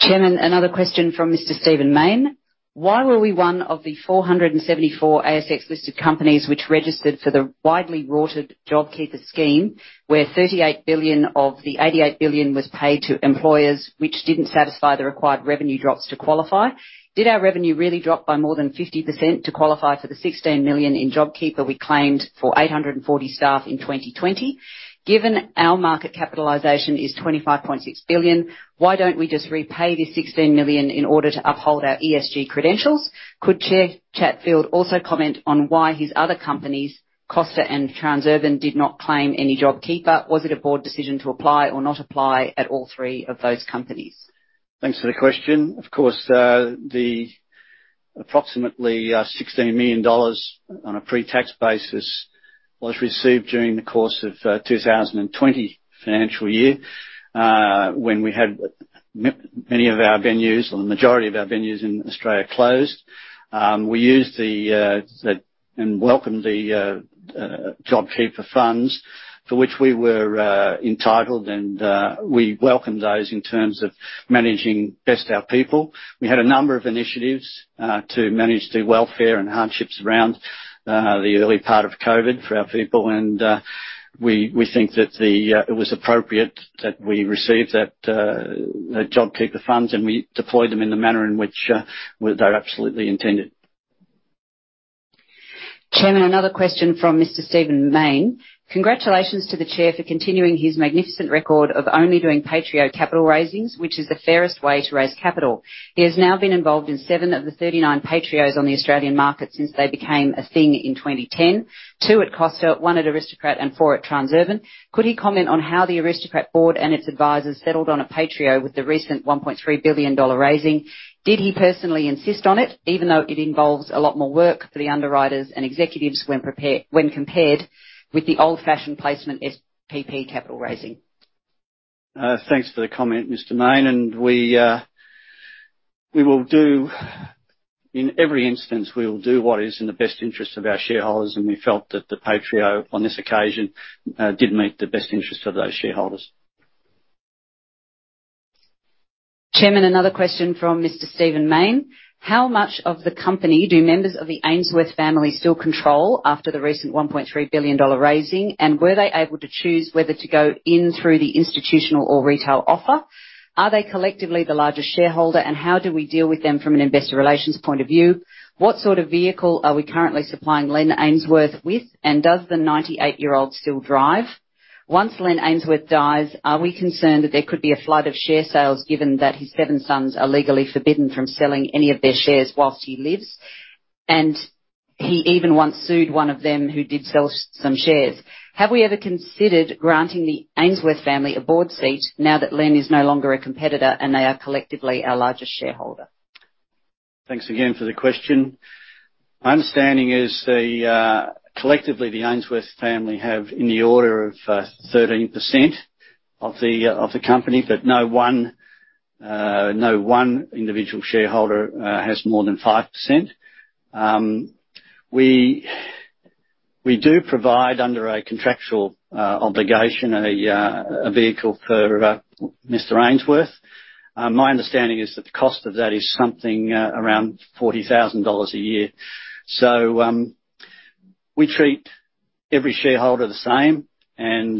Chairman, another question from Mr. Stephen Mayne. Why were we one of the 474 ASX listed companies which registered for the widely rorted JobKeeper scheme, where 38 billion of the 88 billion was paid to employers which didn't satisfy the required revenue drops to qualify? Did our revenue really drop by more than 50% to qualify for the AUD 16 million in JobKeeper we claimed for 840 staff in 2020? Given our market capitalization is 25.6 billion, why don't we just repay the 16 million in order to uphold our ESG credentials? Could Chair Chatfield also comment on why his other companies, Costa and Transurban, did not claim any JobKeeper? Was it a board decision to apply or not apply at all three of those companies? Thanks for the question. Of course, the approximately 16 million dollars on a pre-tax basis was received during the course of 2020 financial year, when we had many of our venues or the majority of our venues in Australia closed. We used and welcomed the JobKeeper funds for which we were entitled, and we welcomed those in terms of managing best our people. We had a number of initiatives to manage the welfare and hardships around the early part of COVID for our people. We think that it was appropriate that we received that JobKeeper funds, and we deployed them in the manner in which they're absolutely intended. Chairman, another question from Mr. Stephen Mayne. Congratulations to the Chair for continuing his magnificent record of only doing pro-rata capital raisings, which is the fairest way to raise capital. He has now been involved in seven of the 39 pro-rata on the Australian market since they became a thing in 2010, two at Costa, one at Aristocrat and four at Transurban. Could he comment on how the Aristocrat board and its advisors settled on a pro-rata with the recent 1.3 billion dollar raising? Did he personally insist on it, even though it involves a lot more work for the underwriters and executives when compared with the old-fashioned placement SPP capital raising? Thanks for the comment, Mr. Mayne. We will do in every instance what is in the best interest of our shareholders, and we felt that the PAITREO on this occasion did meet the best interest of those shareholders. Chairman, another question from Mr. Stephen Mayne. How much of the company do members of the Ainsworth family still control after the recent 1.3 billion dollar raising? Were they able to choose whether to go in through the institutional or retail offer? Are they collectively the largest shareholder, and how do we deal with them from an investor relations point of view? What sort of vehicle are we currently supplying Len Ainsworth with, and does the 98-year-old still drive? Once Len Ainsworth dies, are we concerned that there could be a flood of share sales given that his seven sons are legally forbidden from selling any of their shares whilst he lives? He even once sued one of them who did sell some shares. Have we ever considered granting the Ainsworth family a board seat now that Len is no longer a competitor and they are collectively our largest shareholder? Thanks again for the question. My understanding is collectively, the Ainsworth family have in the order of 13% of the company, but no one individual shareholder has more than 5%. We do provide under a contractual obligation a vehicle for Mr. Ainsworth. My understanding is that the cost of that is something around 40,000 dollars a year. We treat every shareholder the same, and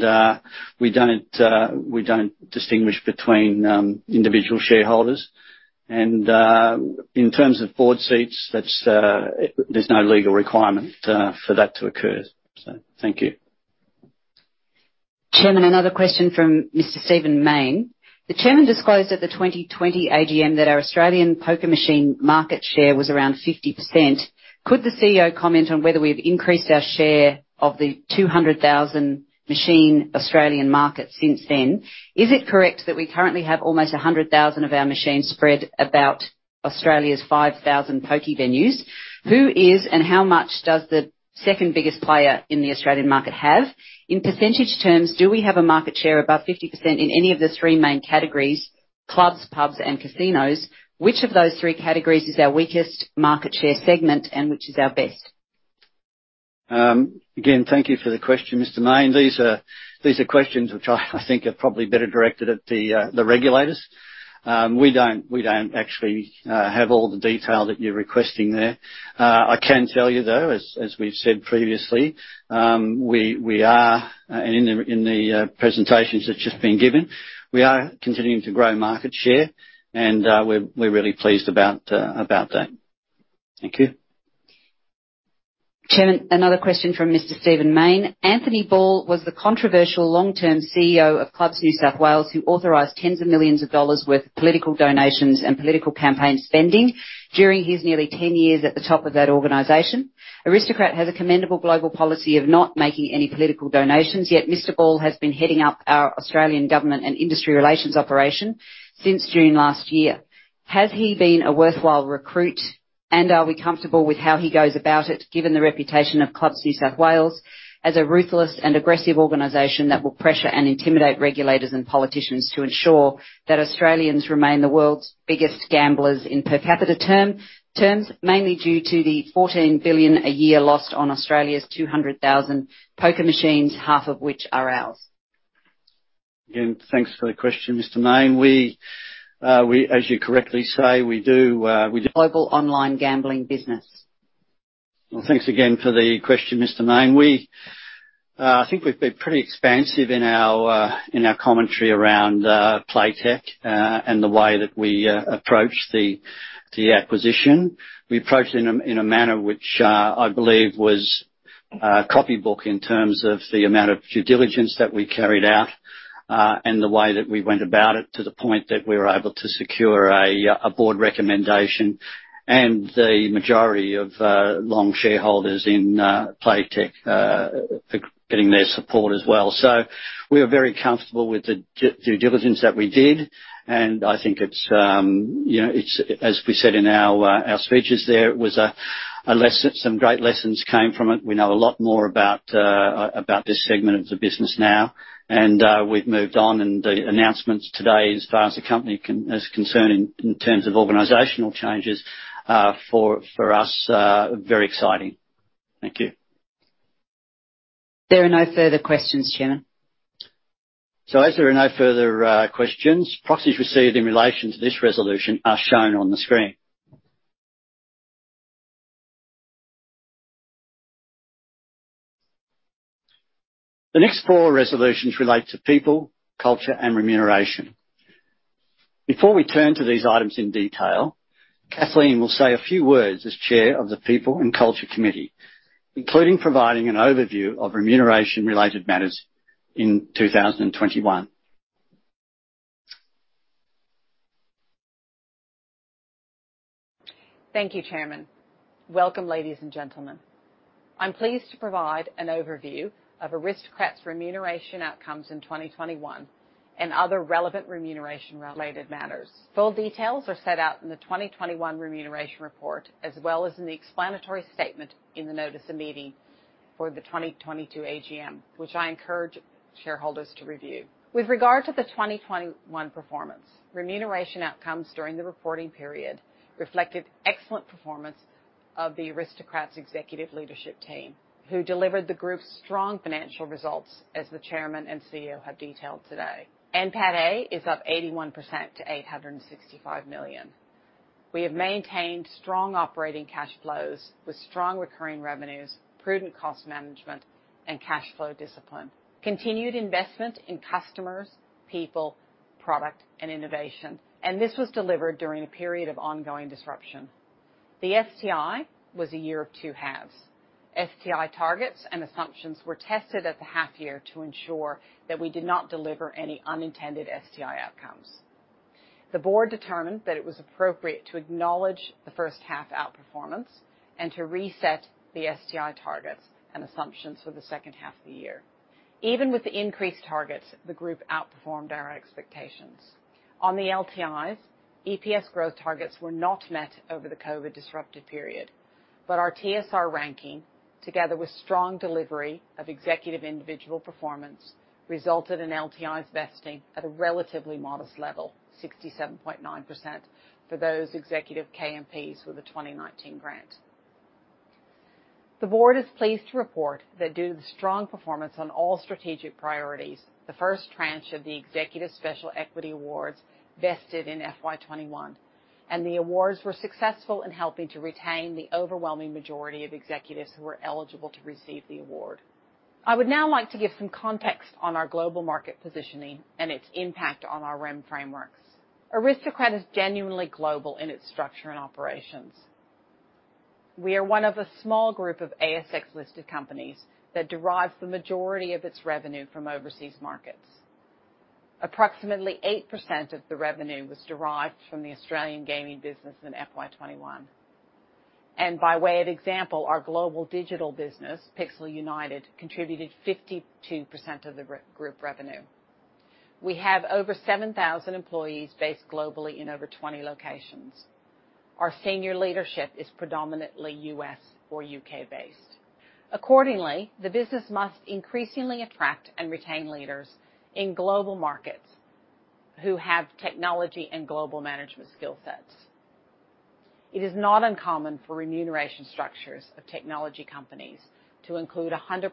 we don't distinguish between individual shareholders. In terms of board seats, there's no legal requirement for that to occur. Thank you. Chairman, another question from Mr. Stephen Mayne. The chairman disclosed at the 2020 AGM that our Australian poker machine market share was around 50%. Could the CEO comment on whether we have increased our share of the 200,000 machine Australian market since then? Is it correct that we currently have almost 100,000 of our machines spread about Australia's 5,000 pokie venues? Who is and how much does the second biggest player in the Australian market have? In percentage terms, do we have a market share above 50% in any of the three main categories: clubs, pubs and casinos? Which of those three categories is our weakest market share segment, and which is our best? Again, thank you for the question, Mr. Mayne. These are questions which I think are probably better directed at the regulators. We don't actually have all the detail that you're requesting there. I can tell you, though, as we've said previously, in the presentations that's just been given, we are continuing to grow market share, and we're really pleased about that. Thank you. Chairman, another question from Mr. Stephen Mayne. Anthony Ball was the controversial long-term CEO of Clubs New South Wales, who authorized AUD tens of millions worth of political donations and political campaign spending during his nearly 10 years at the top of that organization. Aristocrat has a commendable global policy of not making any political donations, yet Mr. Ball has been heading up our Australian government and industry relations operation since June last year. Has he been a worthwhile recruit, and are we comfortable with how he goes about it, given the reputation of Clubs New South Wales as a ruthless and aggressive organization that will pressure and intimidate regulators and politicians to ensure that Australians remain the world's biggest gamblers in per capita terms, mainly due to the AUD 14 billion a year lost on Australia's 200,000 poker machines, half of which are ours? Again, thanks for the question, Mr. Mayne. As you correctly say, we do. Global online gambling business. Well, thanks again for the question, Mr. Mayne. I think we've been pretty expansive in our commentary around Playtech and the way that we approach the acquisition. We approached in a manner which I believe was copybook in terms of the amount of due diligence that we carried out and the way that we went about it to the point that we were able to secure a board recommendation and the majority of long shareholders in Playtech getting their support as well. We are very comfortable with the due diligence that we did, and I think it's, you know, it's, as we said in our speeches, some great lessons came from it. We know a lot more about this segment of the business now, and we've moved on. The announcements today as far as the company is concerned, in terms of organizational changes, for us, very exciting. Thank you. There are no further questions, Chairman. As there are no further questions, proxies received in relation to this resolution are shown on the screen. The next four resolutions relate to people, culture, and remuneration. Before we turn to these items in detail, Kathleen will say a few words as Chair of the People and Culture Committee, including providing an overview of remuneration related matters in 2021. Thank you, Chairman. Welcome, ladies and gentlemen. I'm pleased to provide an overview of Aristocrat's remuneration outcomes in 2021 and other relevant remuneration related matters. Full details are set out in the 2021 remuneration report, as well as in the explanatory statement in the notice of meeting for the 2022 AGM, which I encourage shareholders to review. With regard to the 2021 performance, remuneration outcomes during the reporting period reflected excellent performance of the Aristocrat's executive leadership team, who delivered the Group's strong financial results as the Chairman and CEO have detailed today. NPATA is up 81% to 865 million. We have maintained strong operating cash flows with strong recurring revenues, prudent cost management and cash flow discipline, continued investment in customers, people, product and innovation. This was delivered during a period of ongoing disruption. The STI was a year of two halves. STI targets and assumptions were tested at the half year to ensure that we did not deliver any unintended STI outcomes. The Board determined that it was appropriate to acknowledge the first half outperformance and to reset the STI targets and assumptions for the second half of the year. Even with the increased targets, the Group outperformed our expectations. On the LTIs, EPS growth targets were not met over the COVID disrupted period, but our TSR ranking, together with strong delivery of executive individual performance, resulted in LTIs vesting at a relatively modest level, 67.9% for those executive KMPs with the 2019 grant. The Board is pleased to report that due to the strong performance on all strategic priorities, the first tranche of the executive special equity awards vested in FY 2021, and the awards were successful in helping to retain the overwhelming majority of executives who were eligible to receive the award. I would now like to give some context on our global market positioning and its impact on our REM frameworks. Aristocrat is genuinely global in its structure and operations. We are one of a small group of ASX-listed companies that derives the majority of its revenue from overseas markets. Approximately 8% of the revenue was derived from the Australian gaming business in FY 2021. By way of example, our global digital business, Pixel United, contributed 52% of the group revenue. We have over 7,000 employees based globally in over 20 locations. Our senior leadership is predominantly U.S. or U.K.-based. Accordingly, the business must increasingly attract and retain leaders in global markets who have technology and global management skill sets. It is not uncommon for remuneration structures of technology companies to include 100%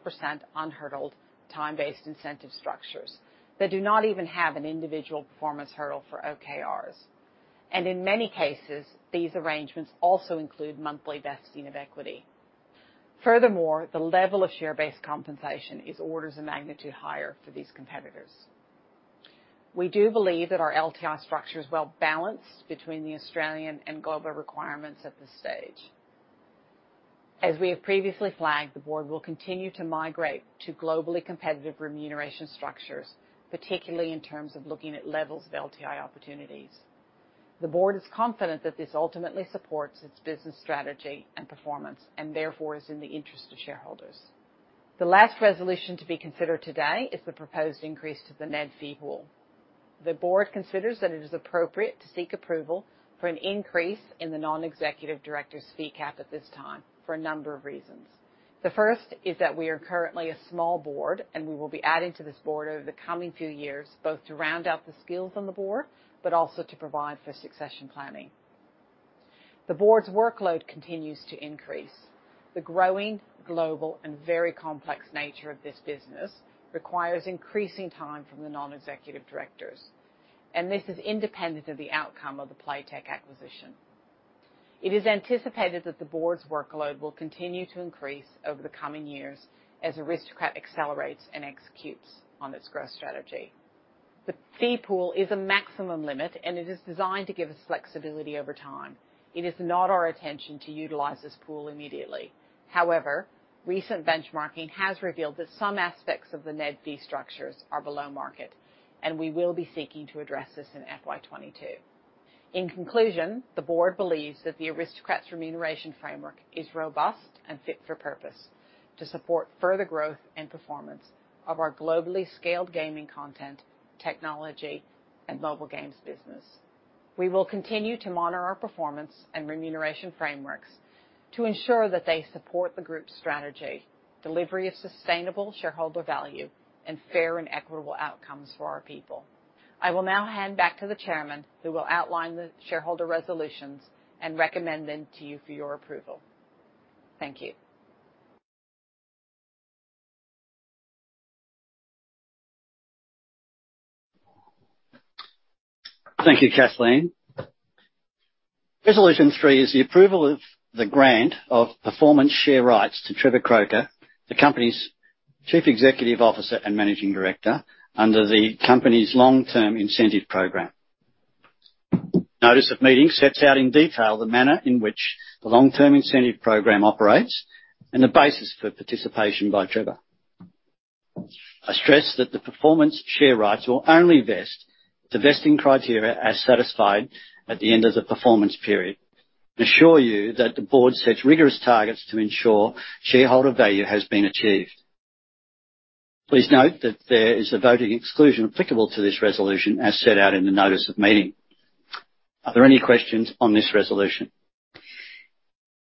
unhurdled time-based incentive structures that do not even have an individual performance hurdle for OKRs. In many cases, these arrangements also include monthly vesting of equity. Furthermore, the level of share-based compensation is orders of magnitude higher for these competitors. We do believe that our LTI structure is well-balanced between the Australian and global requirements at this stage. As we have previously flagged, the Board will continue to migrate to globally competitive remuneration structures, particularly in terms of looking at levels of LTI opportunities. The Board is confident that this ultimately supports its business strategy and performance, and therefore is in the interest of shareholders. The last resolution to be considered today is the proposed increase to the NED fee pool. The Board considers that it is appropriate to seek approval for an increase in the Non-Executive Director's fee cap at this time for a number of reasons. The first is that we are currently a small board, and we will be adding to this board over the coming few years, both to round out the skills on the board, but also to provide for succession planning. The board's workload continues to increase. The growing global and very complex nature of this business requires increasing time from the non-executive directors, and this is independent of the outcome of the Playtech acquisition. It is anticipated that the board's workload will continue to increase over the coming years as Aristocrat accelerates and executes on its growth strategy. The fee pool is a maximum limit, and it is designed to give us flexibility over time. It is not our intention to utilize this pool immediately. However, recent benchmarking has revealed that some aspects of the NED fee structures are below market, and we will be seeking to address this in FY 2022. In conclusion, the board believes that the Aristocrat's remuneration framework is robust and fit for purpose to support further growth and performance of our globally scaled gaming content, technology, and mobile games business. We will continue to monitor our performance and remuneration frameworks to ensure that they support the group's strategy, delivery of sustainable shareholder value, and fair and equitable outcomes for our people. I will now hand back to the chairman, who will outline the shareholder resolutions and recommend them to you for your approval. Thank you. Thank you, Kathleen. Resolution three is the approval of the grant of performance share rights to Trevor Croker, the company's Chief Executive Officer and Managing Director under the company's Long-Term Incentive Program. The Notice of Meeting sets out in detail the manner in which the Long-Term Incentive Program operates and the basis for participation by Trevor. I stress that the performance share rights will only vest if the vesting criteria are satisfied at the end of the performance period, and assure you that the board sets rigorous targets to ensure shareholder value has been achieved. Please note that there is a voting exclusion applicable to this resolution, as set out in the Notice of Meeting. Are there any questions on this resolution?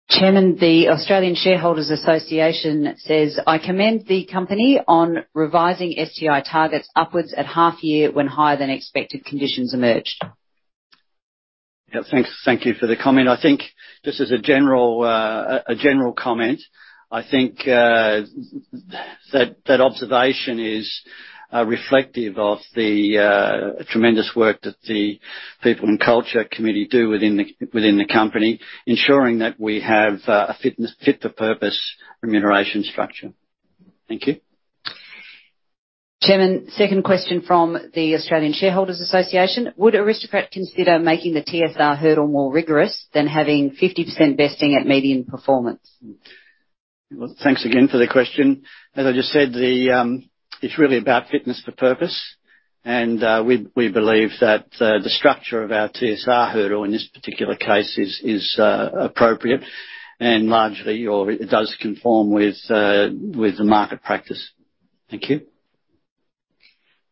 Chairman, the Australian Shareholders' Association says, "I commend the company on revising STI targets upwards at half year when higher than expected conditions emerged. Yeah, thanks. Thank you for the comment. I think just as a general comment, I think that observation is reflective of the tremendous work that the People and Culture Committee do within the company, ensuring that we have a fit for purpose remuneration structure. Thank you. Chairman, second question from the Australian Shareholders' Association: Would Aristocrat consider making the TSR hurdle more rigorous than having 50% vesting at median performance? Well, thanks again for the question. As I just said, it's really about fitness for purpose. We believe that the structure of our TSR hurdle in this particular case is appropriate and largely, or it does conform with the market practice. Thank you.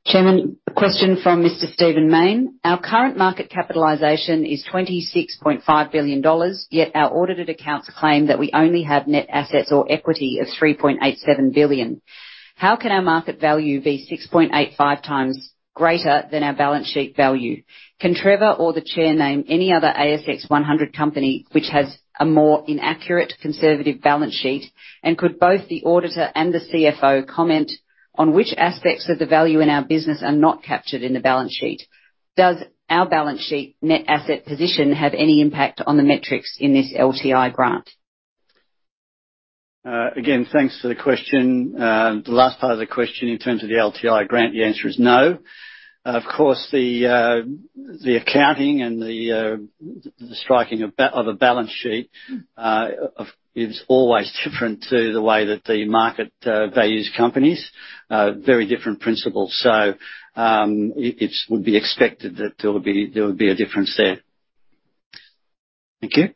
Chairman, a question from Mr. Stephen Mayne. Our current market capitalization is AUD 26.5 billion, yet our audited accounts claim that we only have net assets or equity of AUD 3.87 billion. How can our market value be 6.85 times greater than our balance sheet value? Can Trevor or the Chair name any other ASX 100 company which has a more inaccurate conservative balance sheet? Could both the auditor and the CFO comment on which aspects of the value in our business are not captured in the balance sheet? Does our balance sheet net asset position have any impact on the metrics in this LTI grant? Again, thanks for the question. The last part of the question in terms of the LTI grant, the answer is no. Of course, the accounting and the striking of a balance sheet is always different to the way that the market values companies, very different principles. It would be expected that there would be a difference there. Thank you.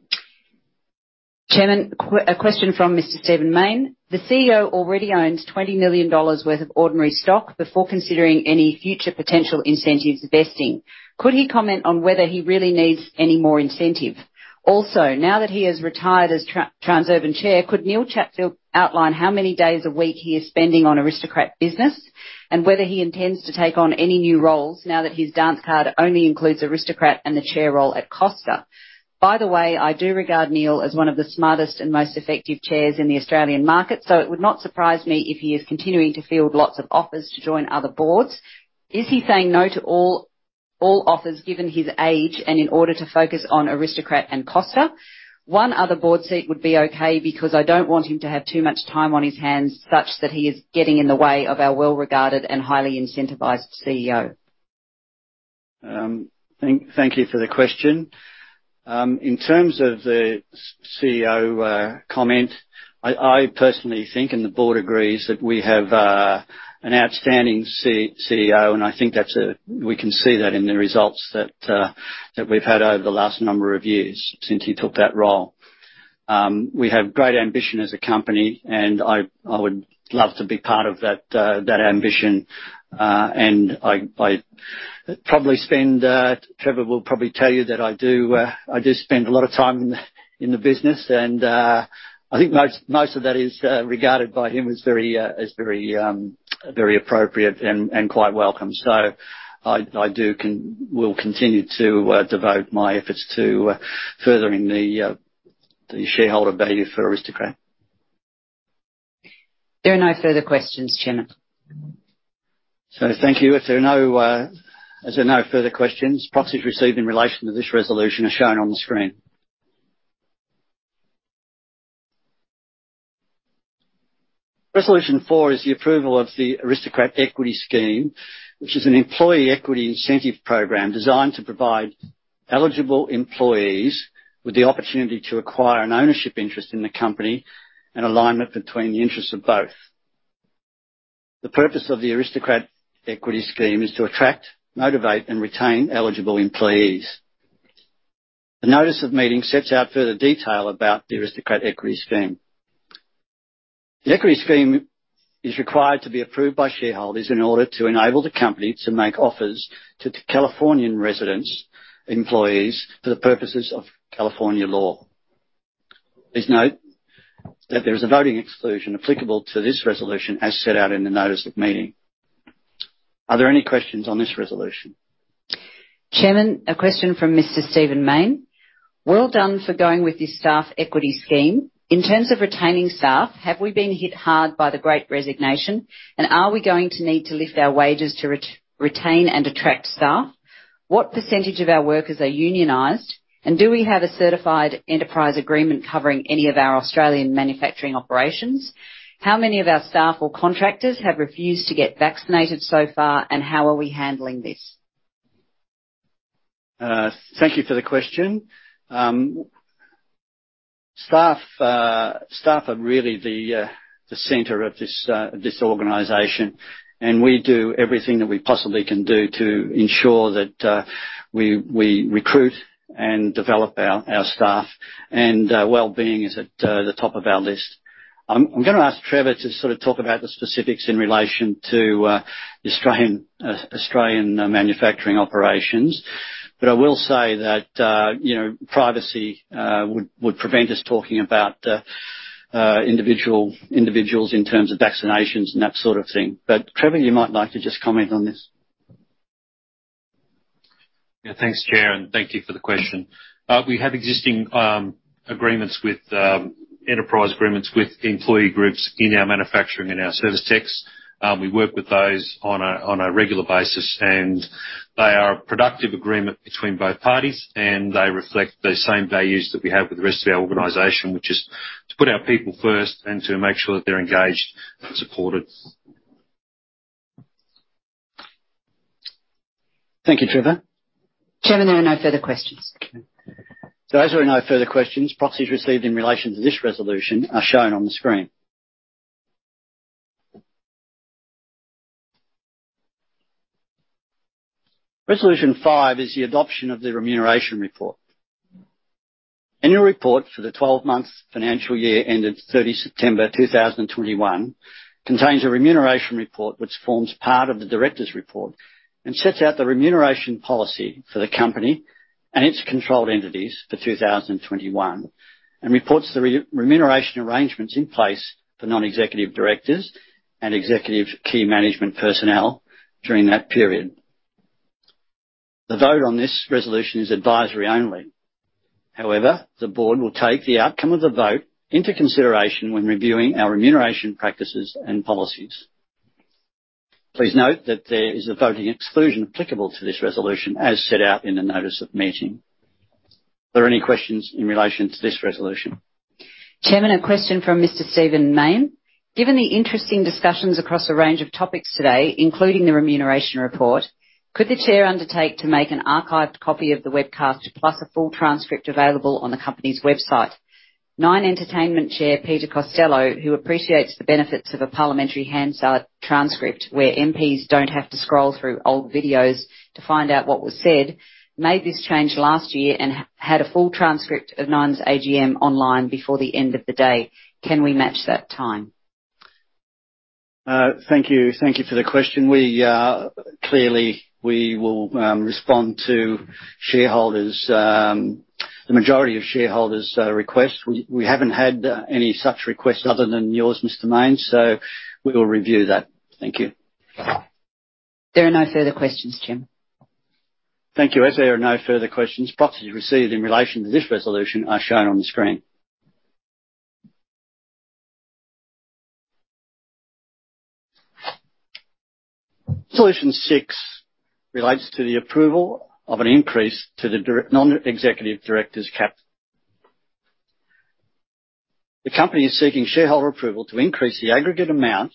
Chairman, a question from Mr. Stephen Mayne. The CEO already owns 20 million dollars worth of ordinary stock before considering any future potential incentives vesting. Could he comment on whether he really needs any more incentive? Also, now that he has retired as Transurban chair, could Neil Chatfield outline how many days a week he is spending on Aristocrat business and whether he intends to take on any new roles now that his dance card only includes Aristocrat and the Chair role at Costa? By the way, I do regard Neil as one of the smartest and most effective chairs in the Australian market, so it would not surprise me if he is continuing to field lots of offers to join other boards. Is he saying no to all offers given his age and in order to focus on Aristocrat and Costa? One other board seat would be okay, because I don't want him to have too much time on his hands such that he is getting in the way of our well-regarded and highly incentivized CEO. Thank you for the question. In terms of the CEO comment, I personally think, and the board agrees, that we have an outstanding CEO, and I think that's we can see that in the results that we've had over the last number of years since he took that role. We have great ambition as a company, and I would love to be part of that ambition. I probably spend. Trevor will probably tell you that I do spend a lot of time in the business, and I think most of that is regarded by him as very appropriate and quite welcome. I will continue to devote my efforts to furthering the shareholder value for Aristocrat. There are no further questions, Chairman. Thank you. If there are no further questions, proxies received in relation to this resolution are shown on the screen. Resolution four is the approval of the Aristocrat Equity Scheme, which is an employee equity incentive program designed to provide eligible employees with the opportunity to acquire an ownership interest in the company and alignment between the interests of both. The purpose of the Aristocrat Equity Scheme is to attract, motivate, and retain eligible employees. The notice of meeting sets out further detail about the Aristocrat Equity Scheme. The equity scheme is required to be approved by shareholders in order to enable the company to make offers to Californian residents, employees for the purposes of California law. Please note that there is a voting exclusion applicable to this resolution as set out in the notice of meeting. Are there any questions on this resolution? Chairman, a question from Mr. Stephen Mayne. Well done for going with this staff equity scheme. In terms of retaining staff, have we been hit hard by the great resignation, and are we going to need to lift our wages to retain and attract staff? What percentage of our workers are unionized, and do we have a certified enterprise agreement covering any of our Australian manufacturing operations? How many of our staff or contractors have refused to get vaccinated so far, and how are we handling this? Thank you for the question. Staff are really the center of this organization. We do everything that we possibly can do to ensure that we recruit and develop our staff. Well-being is at the top of our list. I'm gonna ask Trevor to sort of talk about the specifics in relation to Australian manufacturing operations, but I will say that, you know, privacy would prevent us talking about individuals in terms of vaccinations and that sort of thing. Trevor, you might like to just comment on this. Yeah. Thanks, Chair, and thank you for the question. We have existing enterprise agreements with employee groups in our manufacturing and our service techs. We work with those on a regular basis, and they are a productive agreement between both parties, and they reflect the same values that we have with the rest of our organization, which is to put our people first and to make sure that they're engaged and supported. Thank you, Trevor. Chairman, there are no further questions. As there are no further questions, proxies received in relation to this resolution are shown on the screen. Resolution five is the adoption of the remuneration report. The annual report for the 12-month financial year ended 30 September 2021 contains a remuneration report which forms part of the directors' report and sets out the remuneration policy for the company and its controlled entities for 2021, and reports the remuneration arrangements in place for non-executive directors and executive key management personnel during that period. The vote on this resolution is advisory only. However, the board will take the outcome of the vote into consideration when reviewing our remuneration practices and policies. Please note that there is a voting exclusion applicable to this resolution, as set out in the notice of meeting. Are there any questions in relation to this resolution? Chairman, a question from Mr. Stephen Mayne. Given the interesting discussions across a range of topics today, including the remuneration report, could the Chair undertake to make an archived copy of the webcast plus a full transcript available on the company's website? Nine Entertainment Chair Peter Costello, who appreciates the benefits of a parliamentary Hansard transcript where MPs don't have to scroll through old videos to find out what was said, made this change last year and had a full transcript of Nine's AGM online before the end of the day. Can we match that time? Thank you. Thank you for the question. We clearly will respond to shareholders, the majority of shareholders' requests. We haven't had any such request other than yours, Mr. Mayne, so we will review that. Thank you. There are no further questions, Chair. Thank you. As there are no further questions, proxies received in relation to this resolution are shown on the screen. Resolution six relates to the approval of an increase to the non-executive director's cap. The company is seeking shareholder approval to increase the aggregate amount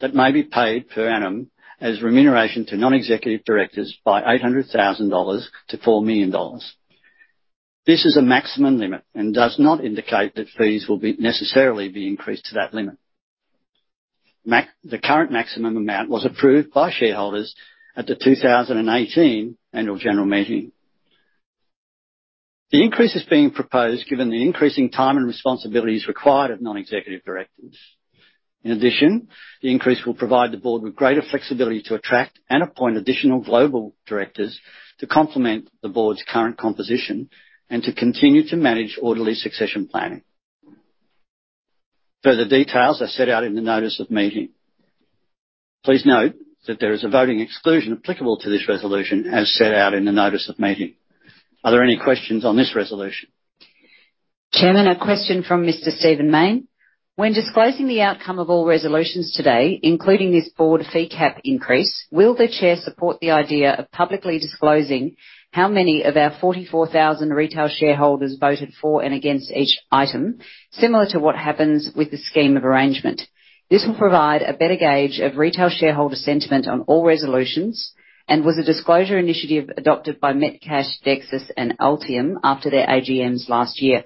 that may be paid per annum as remuneration to non-executive directors by 800,000 dollars to 4 million dollars. This is a maximum limit and does not indicate that fees will necessarily be increased to that limit. The current maximum amount was approved by shareholders at the 2018 annual general meeting. The increase is being proposed given the increasing time and responsibilities required of non-executive directors. In addition, the increase will provide the board with greater flexibility to attract and appoint additional global directors to complement the board's current composition and to continue to manage orderly succession planning. Further details are set out in the notice of meeting. Please note that there is a voting exclusion applicable to this resolution as set out in the notice of meeting. Are there any questions on this resolution? Chairman, a question from Mr. Stephen Mayne. When disclosing the outcome of all resolutions today, including this board fee cap increase, will the Chair support the idea of publicly disclosing how many of our 44,000 retail shareholders voted for and against each item, similar to what happens with the scheme of arrangement? This will provide a better gauge of retail shareholder sentiment on all resolutions, and was a disclosure initiative adopted by Metcash, Dexus and Altium after their AGMs last year.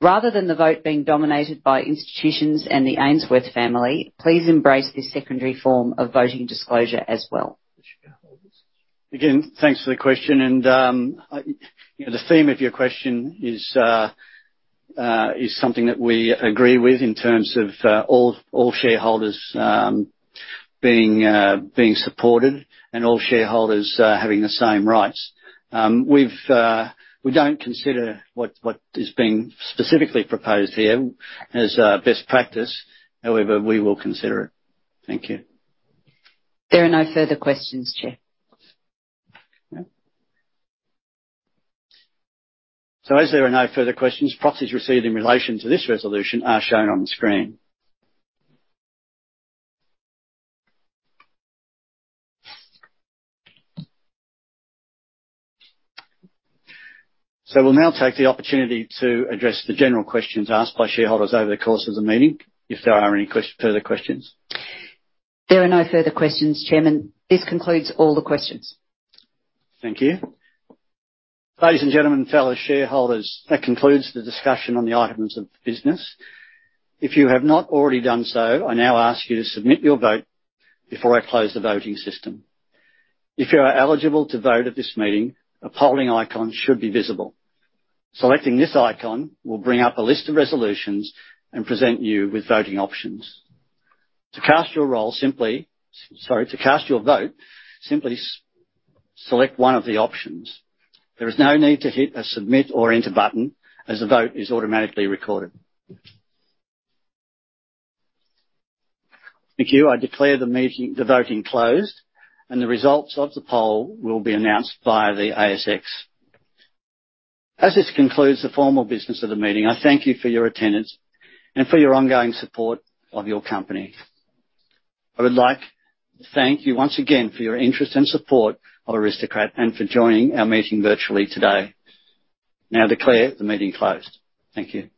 Rather than the vote being dominated by institutions and the Ainsworth family, please embrace this secondary form of voting disclosure as well. Again, thanks for the question. The theme of your question is something that we agree with in terms of all shareholders being supported and all shareholders having the same rights. We don't consider what is being specifically proposed here as best practice. However, we will consider it. Thank you. There are no further questions, Chair. As there are no further questions, proxies received in relation to this resolution are shown on the screen. We'll now take the opportunity to address the general questions asked by shareholders over the course of the meeting. If there are any further questions. There are no further questions, Chairman. This concludes all the questions. Thank you. Ladies and gentlemen, fellow shareholders, that concludes the discussion on the items of the business. If you have not already done so, I now ask you to submit your vote before I close the voting system. If you are eligible to vote at this meeting, a polling icon should be visible. Selecting this icon will bring up a list of resolutions and present you with voting options. To cast your vote, simply select one of the options. There is no need to hit a submit or enter button, as the vote is automatically recorded. Thank you. I declare the meeting closed, the voting closed, and the results of the poll will be announced via the ASX. As this concludes the formal business of the meeting, I thank you for your attendance and for your ongoing support of your company. I would like to thank you once again for your interest and support of Aristocrat and for joining our meeting virtually today. Now I declare the meeting closed. Thank you.